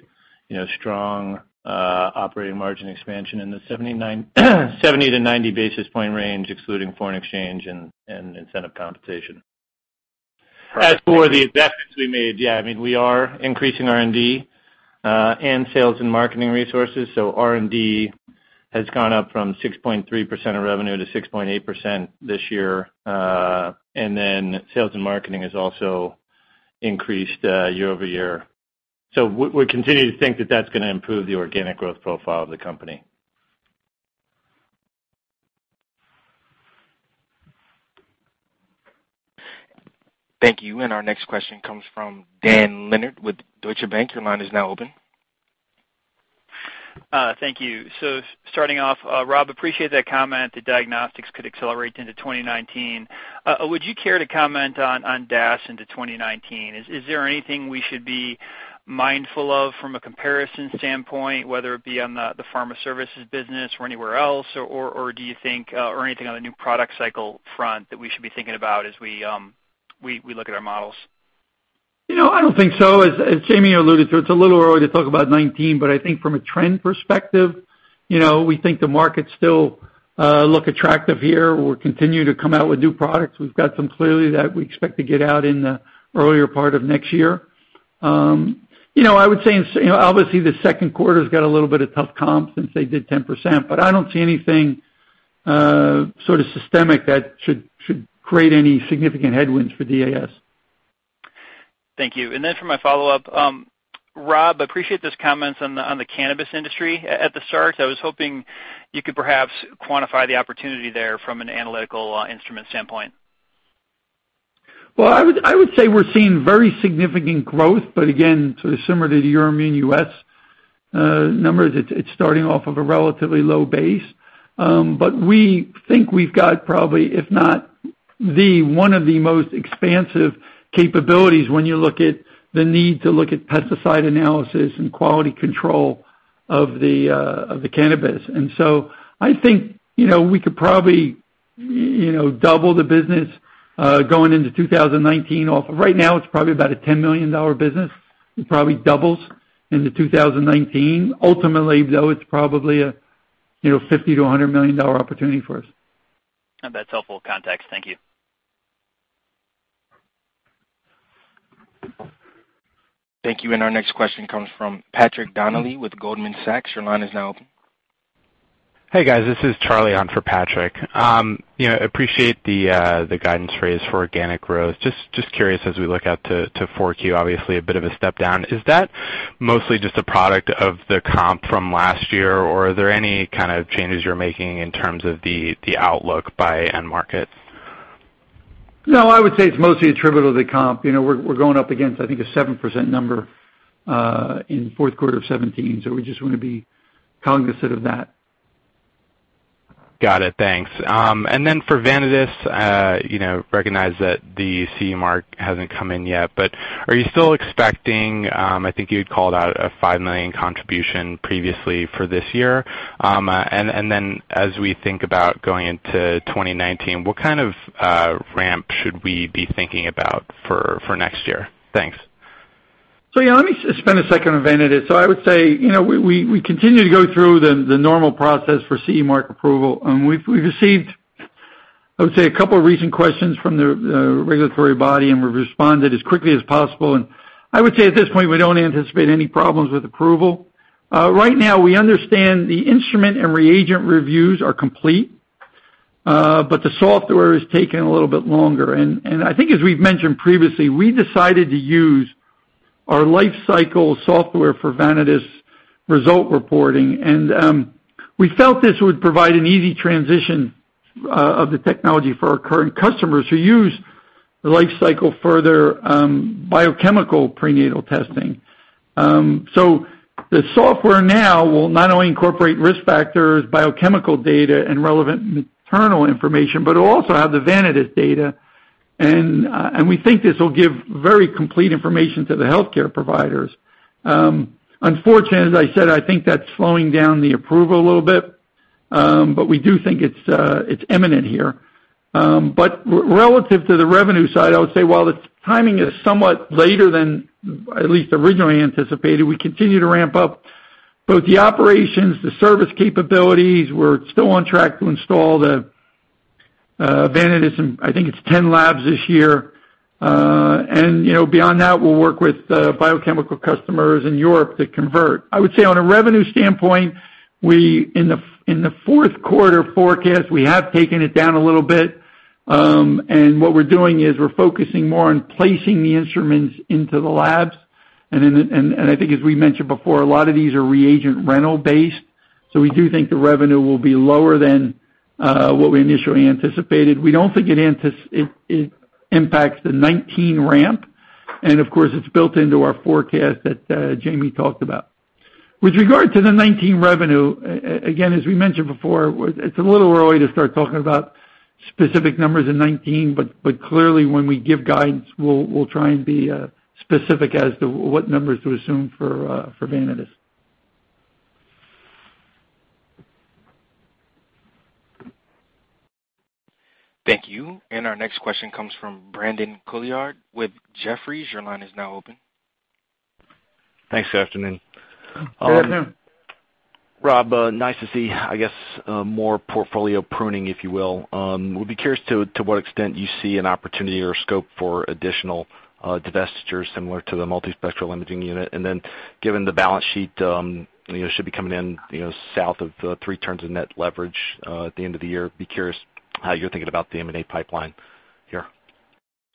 [SPEAKER 4] strong operating margin expansion in the 70 to 90 basis point range, excluding foreign exchange and incentive compensation. As for the investments we made, I mean, we are increasing R&D and sales and marketing resources. R&D has gone up from 6.3% of revenue to 6.8% this year. Sales and marketing has also increased year-over-year. We continue to think that that's going to improve the organic growth profile of the company.
[SPEAKER 1] Thank you. Our next question comes from Dan Leonard with Deutsche Bank. Your line is now open.
[SPEAKER 8] Thank you. Starting off, Rob, appreciate that comment that diagnostics could accelerate into 2019. Would you care to comment on DAS into 2019? Is there anything we should be mindful of from a comparison standpoint, whether it be on the pharma services business or anywhere else, or anything on the new product cycle front that we should be thinking about as we look at our models?
[SPEAKER 3] I don't think so. As Jamey alluded to, it's a little early to talk about 2019, but I think from a trend perspective, we think the markets still look attractive here. We'll continue to come out with new products. We've got some clearly that we expect to get out in the earlier part of next year. I would say, obviously, the second quarter's got a little bit of tough comps since they did 10%, but I don't see anything sort of systemic that should create any significant headwinds for DAS.
[SPEAKER 8] Thank you. For my follow-up, Rob, appreciate this comment on the cannabis industry at the start. I was hoping you could perhaps quantify the opportunity there from an analytical instrument standpoint.
[SPEAKER 4] Well, I would say we're seeing very significant growth, again, sort of similar to the EUROIMMUN U.S. numbers, it's starting off of a relatively low base. We think we've got probably, if not the, one of the most expansive capabilities when you look at the need to look at pesticide analysis and quality control of the cannabis. I think we could probably double the business, going into 2019. Right now, it's probably about a $10 million business. It probably doubles into 2019. Ultimately, though, it's probably a $50 million-$100 million opportunity for us.
[SPEAKER 8] That's helpful context. Thank you.
[SPEAKER 1] Thank you. Our next question comes from Patrick Donnelly with Goldman Sachs. Your line is now open.
[SPEAKER 9] Hey, guys. This is Charlie on for Patrick. Appreciate the guidance raise for organic growth. Just curious as we look out to 4Q, obviously, a bit of a step down. Is that mostly just a product of the comp from last year, or are there any kind of changes you're making in terms of the outlook by end market?
[SPEAKER 4] No, I would say it's mostly attributable to the comp. We're going up against, I think, a 7% number, in fourth quarter of 2017, so we just want to be cognizant of that.
[SPEAKER 9] Got it. Thanks. For Vanadis, recognize that the CE mark hasn't come in yet, but are you still expecting, I think you had called out a $5 million contribution previously for this year? As we think about going into 2019, what kind of ramp should we be thinking about for next year? Thanks.
[SPEAKER 3] Let me spend a second on Vanadis. I would say, we continue to go through the normal process for CE mark approval. We've received, I would say, a couple of recent questions from the regulatory body, we've responded as quickly as possible, I would say at this point, we don't anticipate any problems with approval. Right now, we understand the instrument and reagent reviews are complete, but the software is taking a little bit longer. I think as we've mentioned previously, we decided to use our LifeCycle software for Vanadis result reporting, and we felt this would provide an easy transition of the technology for our current customers who use LifeCycle for their biochemical prenatal testing. The software now will not only incorporate risk factors, biochemical data, and relevant maternal information, but it will also have the Vanadis data, we think this will give very complete information to the healthcare providers. Unfortunately, as I said, I think that's slowing down the approval a little bit, we do think it's eminent here. Relative to the revenue side, I would say while the timing is somewhat later than at least originally anticipated, we continue to ramp up both the operations, the service capabilities. We're still on track to install the Vanadis in, I think it's 10 labs this year. Beyond that, we'll work with biochemical customers in Europe to convert. I would say on a revenue standpoint, in the fourth quarter forecast, we have taken it down a little bit, what we're doing is we're focusing more on placing the instruments into the labs. I think as we mentioned before, a lot of these are reagent rental-based, we do think the revenue will be lower than what we initially anticipated. We don't think it impacts the 2019 ramp Of course, it's built into our forecast that Jamey talked about. With regard to the 2019 revenue, again, as we mentioned before, it's a little early to start talking about specific numbers in 2019, clearly when we give guidance, we'll try and be specific as to what numbers to assume for Vanadis.
[SPEAKER 1] Thank you. Our next question comes from Brandon Couillard with Jefferies. Your line is now open.
[SPEAKER 10] Thanks. Good afternoon.
[SPEAKER 3] Good afternoon.
[SPEAKER 10] Rob, nice to see, I guess, more portfolio pruning, if you will. Would be curious to what extent you see an opportunity or scope for additional divestitures similar to the multispectral imaging unit. Given the balance sheet, should be coming in south of three turns of net leverage at the end of the year. Be curious how you're thinking about the M&A pipeline here.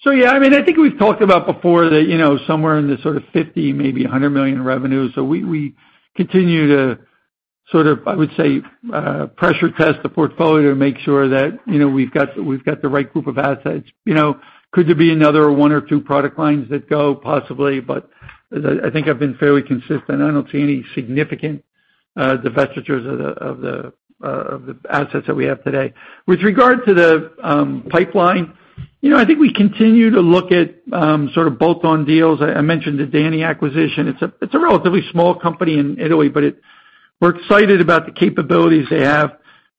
[SPEAKER 3] Yeah, I think we've talked about before that somewhere in the sort of $50 million, maybe $100 million in revenue. We continue to, I would say, pressure test the portfolio to make sure that we've got the right group of assets. Could there be another one or two product lines that go? Possibly, but I think I've been fairly consistent. I don't see any significant divestitures of the assets that we have today. With regard to the pipeline, I think we continue to look at sort of bolt-on deals. I mentioned the DANI acquisition. It's a relatively small company in Italy, but we're excited about the capabilities they have,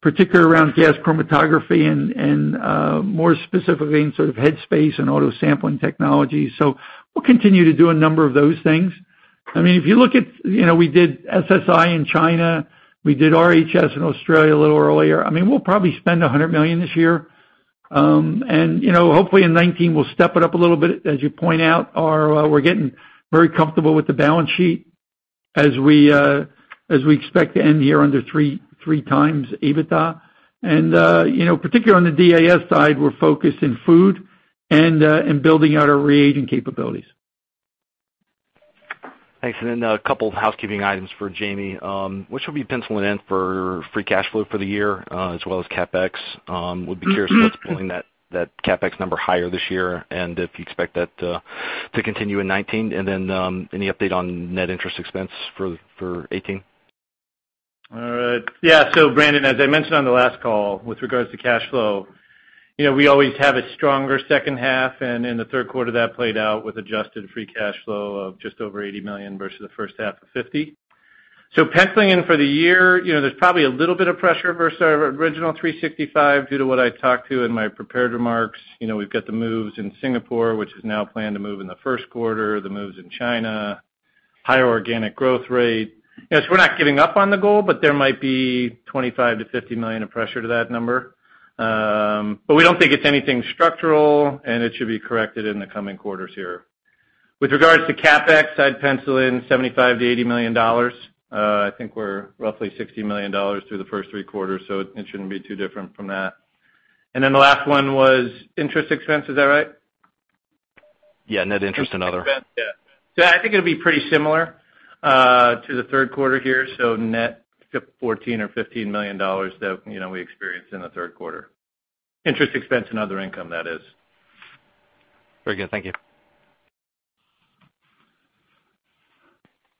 [SPEAKER 3] particularly around gas chromatography and more specifically in sort of head space and auto sampling technology. We'll continue to do a number of those things. If you look at, we did SSI in China, we did RHS in Australia a little earlier. We'll probably spend $100 million this year. Hopefully in 2019 we'll step it up a little bit. As you point out, we're getting very comfortable with the balance sheet as we expect to end the year under three times EBITDA. Particularly on the DAS side, we're focused in food and building out our reagent capabilities.
[SPEAKER 10] Thanks. A couple housekeeping items for Jamey. What should we be penciling in for free cash flow for the year as well as CapEx? Would be curious what's pulling that CapEx number higher this year, and if you expect that to continue in 2019. Any update on net interest expense for 2018?
[SPEAKER 4] All right. Yeah. Brandon, as I mentioned on the last call with regards to cash flow, we always have a stronger second half, and in the third quarter that played out with adjusted free cash flow of just over $80 million versus the first half of $50 million. Penciling in for the year, there's probably a little bit of pressure versus our original $365 million due to what I talked to in my prepared remarks. We've got the moves in Singapore, which is now planned to move in the first quarter, the moves in China, higher organic growth rate. We're not giving up on the goal, but there might be $25 million-$50 million of pressure to that number. We don't think it's anything structural, and it should be corrected in the coming quarters here. With regards to CapEx, I'd pencil in $75 million-$80 million. I think we're roughly $60 million through the first three quarters, it shouldn't be too different from that. The last one was interest expense, is that right?
[SPEAKER 10] Yeah, net interest and other.
[SPEAKER 4] Interest expense, yeah. I think it'll be pretty similar to the third quarter here. Net $14 or $15 million that we experienced in the third quarter. Interest expense and other income, that is.
[SPEAKER 10] Very good. Thank you.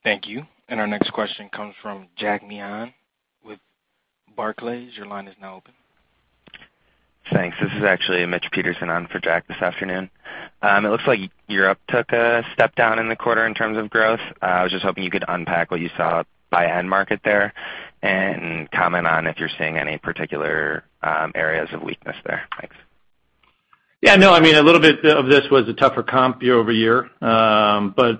[SPEAKER 1] Thank you. Our next question comes from Jack Meehan with Barclays. Your line is now open.
[SPEAKER 11] Thanks. This is actually Mitch Petersen on for Jack this afternoon. It looks like Europe took a step down in the quarter in terms of growth. I was just hoping you could unpack what you saw by end market there and comment on if you're seeing any particular areas of weakness there. Thanks.
[SPEAKER 4] Yeah, no, a little bit of this was a tougher comp year-over-year. It was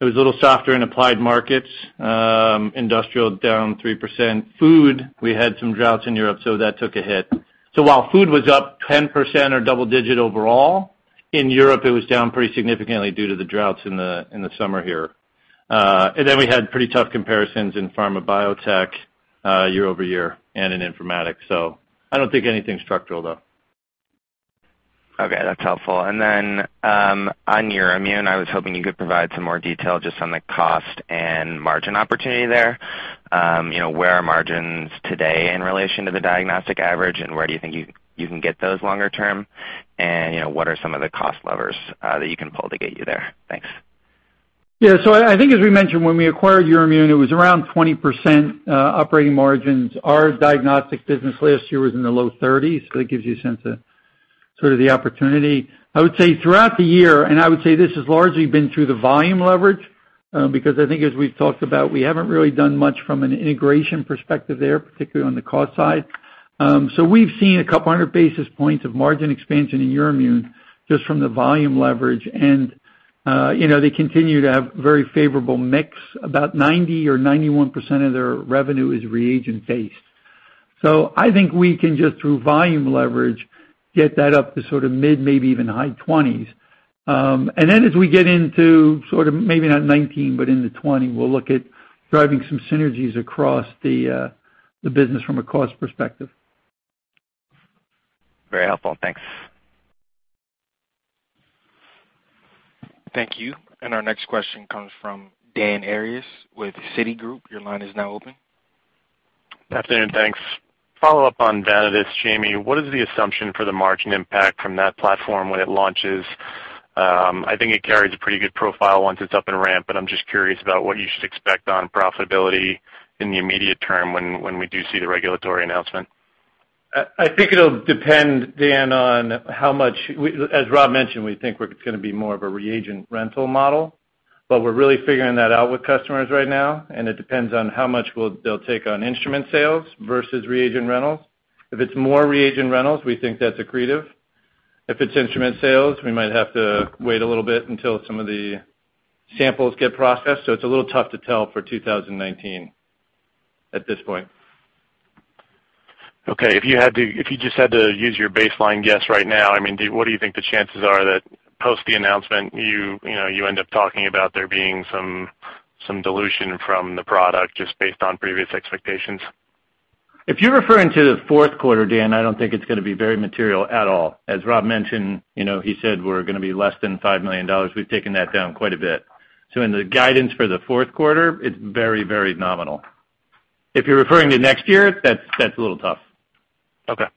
[SPEAKER 4] a little softer in applied markets, industrial down 3%. Food, we had some droughts in Europe, that took a hit. While food was up 10% or double digit overall, in Europe it was down pretty significantly due to the droughts in the summer here. We had pretty tough comparisons in pharma biotech year-over-year and in informatics. I don't think anything structural, though.
[SPEAKER 11] Okay, that's helpful. Then, on Euroimmun, I was hoping you could provide some more detail just on the cost and margin opportunity there. Where are margins today in relation to the diagnostic average, and where do you think you can get those longer term? What are some of the cost levers that you can pull to get you there? Thanks.
[SPEAKER 3] Yeah. I think as we mentioned, when we acquired Euroimmun, it was around 20% operating margins. Our diagnostic business last year was in the low 30s. That gives you a sense of sort of the opportunity. I would say throughout the year, and I would say this has largely been through the volume leverage, because I think as we've talked about, we haven't really done much from an integration perspective there, particularly on the cost side. We've seen a couple of hundred basis points of margin expansion in Euroimmun just from the volume leverage. They continue to have very favorable mix. About 90 or 91% of their revenue is reagent based. I think we can just through volume leverage, get that up to sort of mid, maybe even high 20s. As we get into sort of, maybe not 2019, but into 2020, we'll look at driving some synergies across the business from a cost perspective.
[SPEAKER 11] Very helpful. Thanks.
[SPEAKER 1] Thank you. Our next question comes from Dan Arias with Citigroup. Your line is now open.
[SPEAKER 12] Afternoon, thanks. Follow up on Vanadis, Jamey, what is the assumption for the margin impact from that platform when it launches? I think it carries a pretty good profile once it's up and ramped. I'm just curious about what you should expect on profitability in the immediate term when we do see the regulatory announcement.
[SPEAKER 4] I think it'll depend, Dan, on how much As Rob mentioned, we think it's going to be more of a reagent rental model. We're really figuring that out with customers right now, and it depends on how much they'll take on instrument sales versus reagent rentals. If it's more reagent rentals, we think that's accretive. If it's instrument sales, we might have to wait a little bit until some of the samples get processed. It's a little tough to tell for 2019 at this point.
[SPEAKER 12] Okay. If you just had to use your baseline guess right now, what do you think the chances are that post the announcement, you end up talking about there being some dilution from the product just based on previous expectations?
[SPEAKER 4] If you're referring to the fourth quarter, Dan, I don't think it's going to be very material at all. As Rob mentioned, he said we're going to be less than $5 million. We've taken that down quite a bit. In the guidance for the fourth quarter, it's very, very nominal. If you're referring to next year, that's a little tough.
[SPEAKER 12] Okay.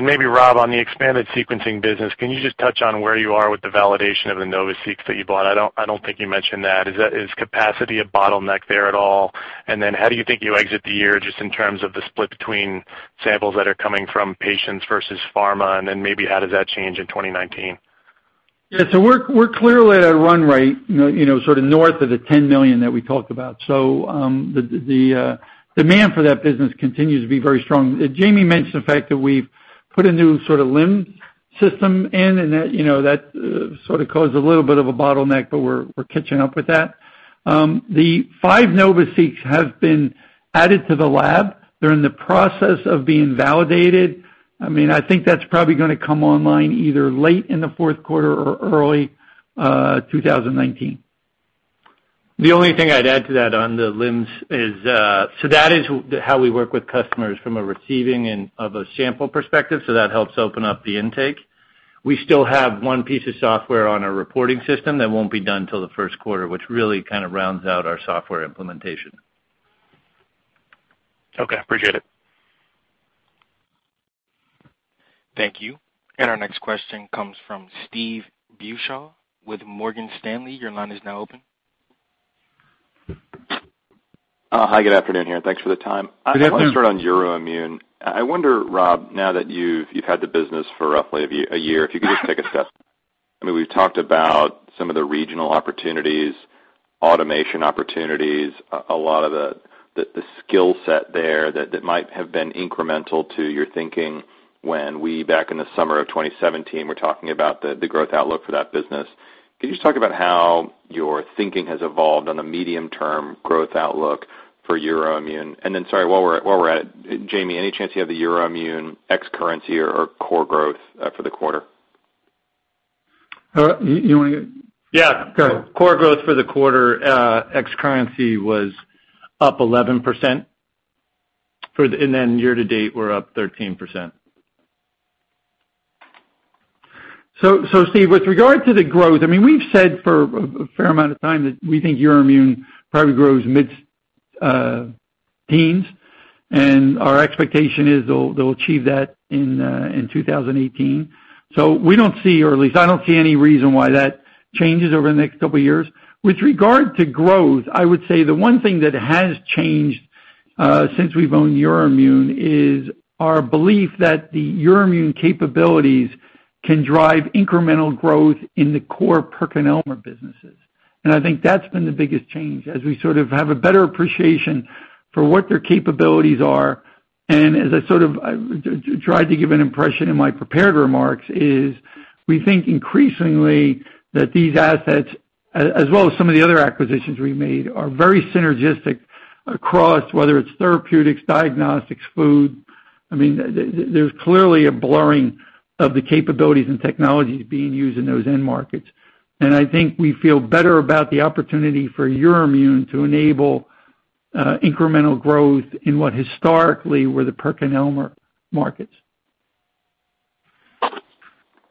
[SPEAKER 12] Maybe Rob, on the expanded sequencing business, can you just touch on where you are with the validation of the NovaSeq that you bought? I don't think you mentioned that. Is capacity a bottleneck there at all? How do you think you exit the year just in terms of the split between samples that are coming from patients versus pharma? Maybe how does that change in 2019?
[SPEAKER 3] Yeah. We're clearly at a run rate sort of north of the 10 million that we talked about. The demand for that business continues to be very strong. Jamie mentioned the fact that we've put a new sort of LIMS system in, and that sort of caused a little bit of a bottleneck, but we're catching up with that. The five NovaSeq have been added to the lab. They're in the process of being validated. I think that's probably going to come online either late in the fourth quarter or early 2019.
[SPEAKER 4] The only thing I'd add to that on the LIMS is, that is how we work with customers from a receiving end of a sample perspective, so that helps open up the intake. We still have one piece of software on our reporting system that won't be done till the first quarter, which really kind of rounds out our software implementation.
[SPEAKER 12] Okay, appreciate it.
[SPEAKER 1] Thank you. Our next question comes from Steve Beuchaw with Morgan Stanley. Your line is now open.
[SPEAKER 13] Hi, good afternoon here, and thanks for the time.
[SPEAKER 3] Good afternoon.
[SPEAKER 13] I just want to start on Euroimmun. I wonder, Rob, now that you've had the business for roughly a year, if you could just take assessment. We've talked about some of the regional opportunities, automation opportunities, a lot of the skill set there that might have been incremental to your thinking when we, back in the summer of 2017, were talking about the growth outlook for that business. Could you just talk about how your thinking has evolved on the medium-term growth outlook for Euroimmun? Sorry, while we're at it, Jamie, any chance you have the Euroimmun ex currency or core growth for the quarter?
[SPEAKER 3] You want to
[SPEAKER 4] Yeah.
[SPEAKER 3] Go ahead.
[SPEAKER 4] Core growth for the quarter ex currency was up 11%. Then year to date, we're up 13%.
[SPEAKER 3] Steve, with regard to the growth, we've said for a fair amount of time that we think Euroimmun probably grows mid-teens, and our expectation is they'll achieve that in 2018. We don't see, or at least I don't see any reason why that changes over the next couple of years. With regard to growth, I would say the one thing that has changed since we've owned Euroimmun is our belief that the Euroimmun capabilities can drive incremental growth in the core PerkinElmer businesses. I think that's been the biggest change as we sort of have a better appreciation for what their capabilities are. As I tried to give an impression in my prepared remarks, is we think increasingly that these assets, as well as some of the other acquisitions we've made, are very synergistic across, whether it's therapeutics, diagnostics, food. There's clearly a blurring of the capabilities and technologies being used in those end markets. I think we feel better about the opportunity for Euroimmun to enable incremental growth in what historically were the PerkinElmer markets.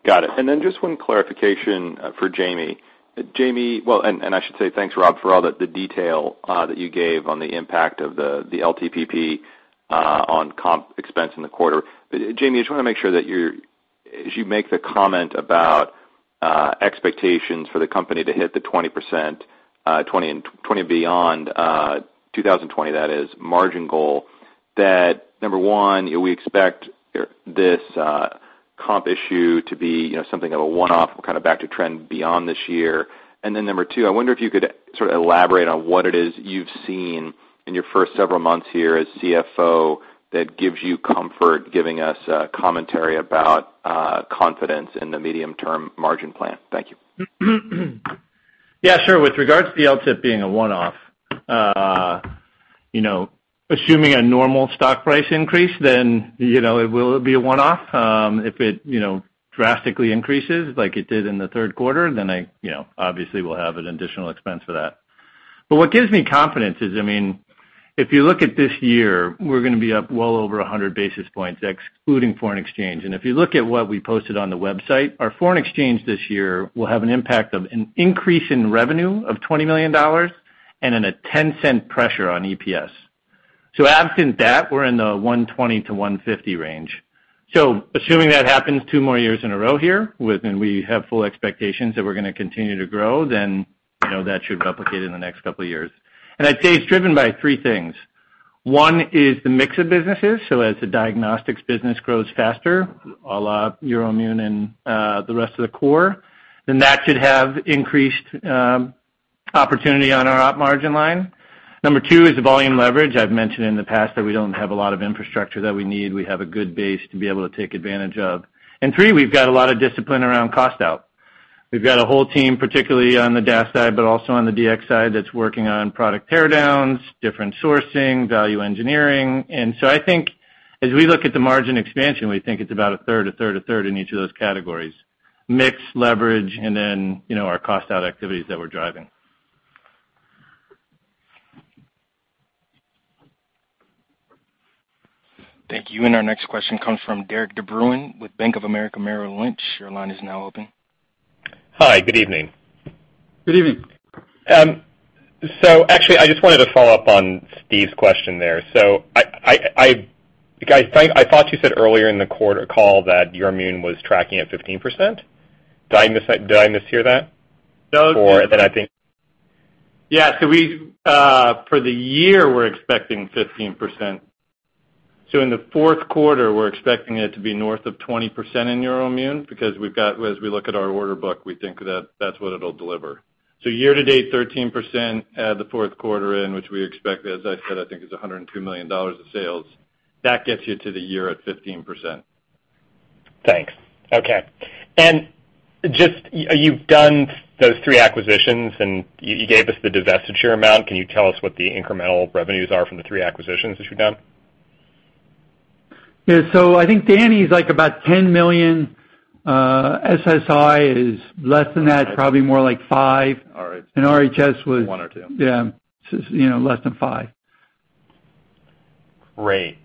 [SPEAKER 13] Got it. Then just one clarification for Jamey. I should say, thanks, Rob, for all the detail that you gave on the impact of the LTPP on comp expense in the quarter. Jamey, I just want to make sure that as you make the comment about expectations for the company to hit the 20% beyond 2020, that is margin goal, that number 1, we expect this comp issue to be something of a one-off, kind of back to trend beyond this year. Then number 2, I wonder if you could sort of elaborate on what it is you've seen in your first several months here as CFO that gives you comfort giving us commentary about confidence in the medium-term margin plan. Thank you.
[SPEAKER 4] Yeah, sure. With regards to the LTPP being a one-off, assuming a normal stock price increase, it will be a one-off. If it drastically increases like it did in the third quarter, obviously we'll have an additional expense for that. What gives me confidence is, if you look at this year, we're going to be up well over 100 basis points, excluding foreign exchange. If you look at what we posted on the website, our foreign exchange this year will have an impact of an increase in revenue of $20 million and in a $0.10 pressure on EPS. Absent that, we're in the 120 to 150 range. Assuming that happens two more years in a row here, we have full expectations that we're going to continue to grow, that should replicate in the next couple of years. I'd say it's driven by three things. One is the mix of businesses. As the diagnostics business grows faster, a la Euroimmun and the rest of the core, that should have increased opportunity on our op margin line. Number 2 is the volume leverage. I've mentioned in the past that we don't have a lot of infrastructure that we need. We have a good base to be able to take advantage of. Three, we've got a lot of discipline around cost out. We've got a whole team, particularly on the DAS side, but also on the DX side, that's working on product teardowns, different sourcing, value engineering. I think as we look at the margin expansion, we think it's about a third, a third, a third in each of those categories. Mix, leverage, our cost-out activities that we're driving.
[SPEAKER 1] Thank you. Our next question comes from Derik De Bruin with Bank of America Merrill Lynch. Your line is now open.
[SPEAKER 14] Hi, good evening.
[SPEAKER 3] Good evening.
[SPEAKER 14] Actually, I just wanted to follow up on Steve's question there. I thought you said earlier in the quarter call that Euroimmun was tracking at 15%. Did I mishear that?
[SPEAKER 4] Yeah. For the year, we're expecting 15%. In the fourth quarter, we're expecting it to be north of 20% in Euroimmun because as we look at our order book, we think that's what it'll deliver. Year to date, 13% add the fourth quarter in which we expect, as I said, I think is $102 million of sales. That gets you to the year at 15%.
[SPEAKER 14] Thanks. Okay. You've done those three acquisitions, and you gave us the divestiture amount. Can you tell us what the incremental revenues are from the three acquisitions that you've done?
[SPEAKER 3] Yeah. I think DANI's like about $10 million. SSI is less than that, probably more like five.
[SPEAKER 4] All right.
[SPEAKER 3] RHS was-
[SPEAKER 4] One or two.
[SPEAKER 3] Yeah. Less than five.
[SPEAKER 14] Great.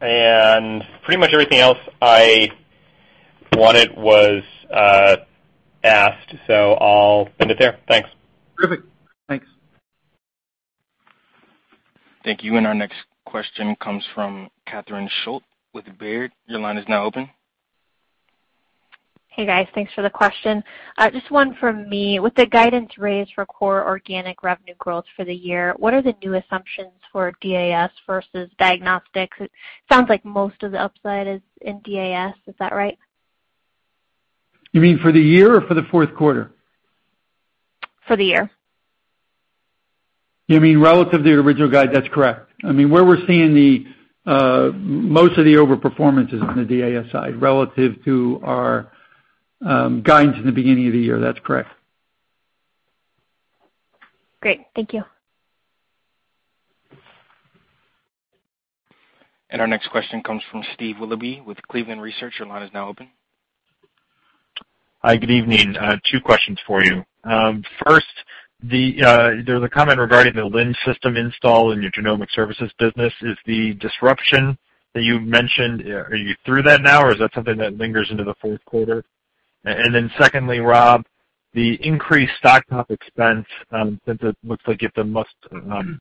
[SPEAKER 14] Pretty much everything else I wanted was asked, so I'll end it there. Thanks.
[SPEAKER 3] Terrific. Thanks.
[SPEAKER 1] Thank you. Our next question comes from Catherine Schulte with Baird. Your line is now open.
[SPEAKER 15] Hey, guys. Thanks for the question. Just one from me. With the guidance raised for core organic revenue growth for the year, what are the new assumptions for DAS versus diagnostics? It sounds like most of the upside is in DAS. Is that right?
[SPEAKER 3] You mean for the year or for the fourth quarter?
[SPEAKER 15] For the year.
[SPEAKER 3] You mean relative to the original guide? That's correct. Where we're seeing the most of the overperformance is in the DAS side relative to our guidance in the beginning of the year. That's correct.
[SPEAKER 15] Great. Thank you.
[SPEAKER 1] Our next question comes from Steve Willoughby with Cleveland Research. Your line is now open.
[SPEAKER 16] Hi, good evening. Two questions for you. First, there's a comment regarding the LIMS system install in your genomic services business. Is the disruption that you mentioned, are you through that now, or is that something that lingers into the fourth quarter? Secondly, Rob, the increased stock comp expense, since it looks like if the must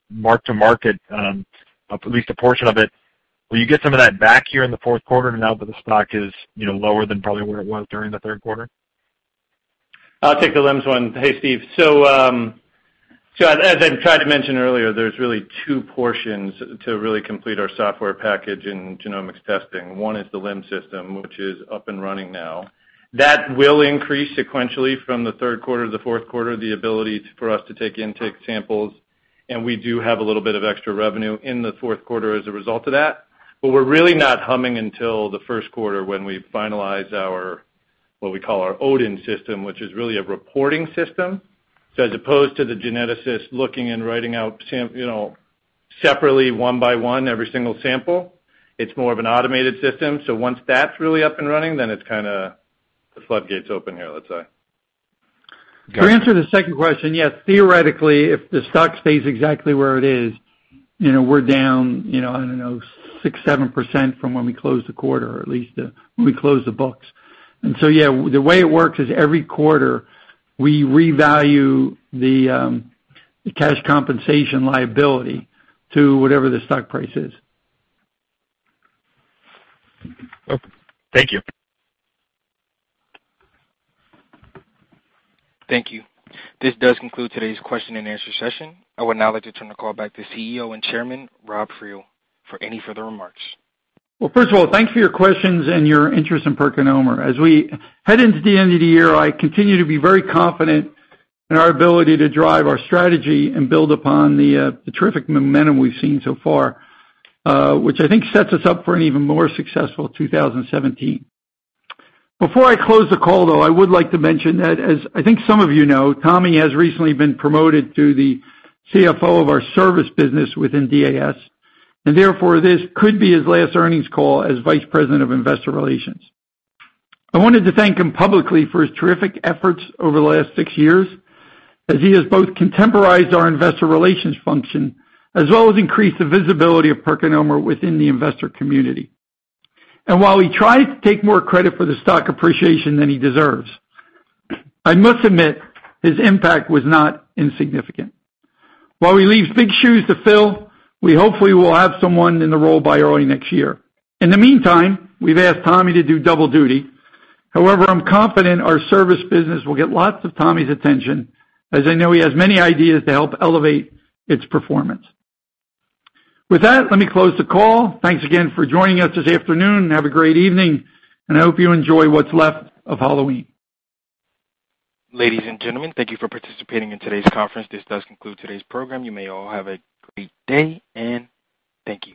[SPEAKER 16] mark-to-market, at least a portion of it, will you get some of that back here in the fourth quarter now that the stock is lower than probably where it was during the third quarter?
[SPEAKER 4] I'll take the LIMS one. Hey, Steve. As I tried to mention earlier, there's really two portions to really complete our software package in genomics testing. One is the LIMS system, which is up and running now. That will increase sequentially from the third quarter to the fourth quarter, the ability for us to take intake samples, and we do have a little bit of extra revenue in the fourth quarter as a result of that. We're really not humming until the first quarter when we finalize our, what we call our Odin system, which is really a reporting system. As opposed to the geneticist looking and writing out separately one by one every single sample, it's more of an automated system. Once that's really up and running, it's the floodgates open here, let's say.
[SPEAKER 3] To answer the second question, yes. Theoretically, if the stock stays exactly where it is, we're down, I don't know, six, seven% from when we close the quarter, or at least when we close the books. Yeah, the way it works is every quarter, we revalue the cash compensation liability to whatever the stock price is.
[SPEAKER 16] Okay. Thank you.
[SPEAKER 1] Thank you. This does conclude today's question and answer session. I would now like to turn the call back to CEO and Chairman, Rob Friel, for any further remarks.
[SPEAKER 3] Well, first of all, thank you for your questions and your interest in PerkinElmer. As we head into the end of the year, I continue to be very confident in our ability to drive our strategy and build upon the terrific momentum we've seen so far, which I think sets us up for an even more successful 2017. Before I close the call, though, I would like to mention that as I think some of you know, Tommy has recently been promoted to the CFO of our service business within DAS. Therefore, this could be his last earnings call as Vice President of Investor Relations. I wanted to thank him publicly for his terrific efforts over the last six years, as he has both contemporized our investor relations function, as well as increased the visibility of PerkinElmer within the investor community. While he tried to take more credit for the stock appreciation than he deserves, I must admit his impact was not insignificant. While he leaves big shoes to fill, we hopefully will have someone in the role by early next year. In the meantime, we've asked Tommy to do double duty. However, I'm confident our service business will get lots of Tommy's attention, as I know he has many ideas to help elevate its performance. With that, let me close the call. Thanks again for joining us this afternoon. Have a great evening, and I hope you enjoy what's left of Halloween.
[SPEAKER 1] Ladies and gentlemen, thank you for participating in today's conference. This does conclude today's program. You may all have a great day, and thank you.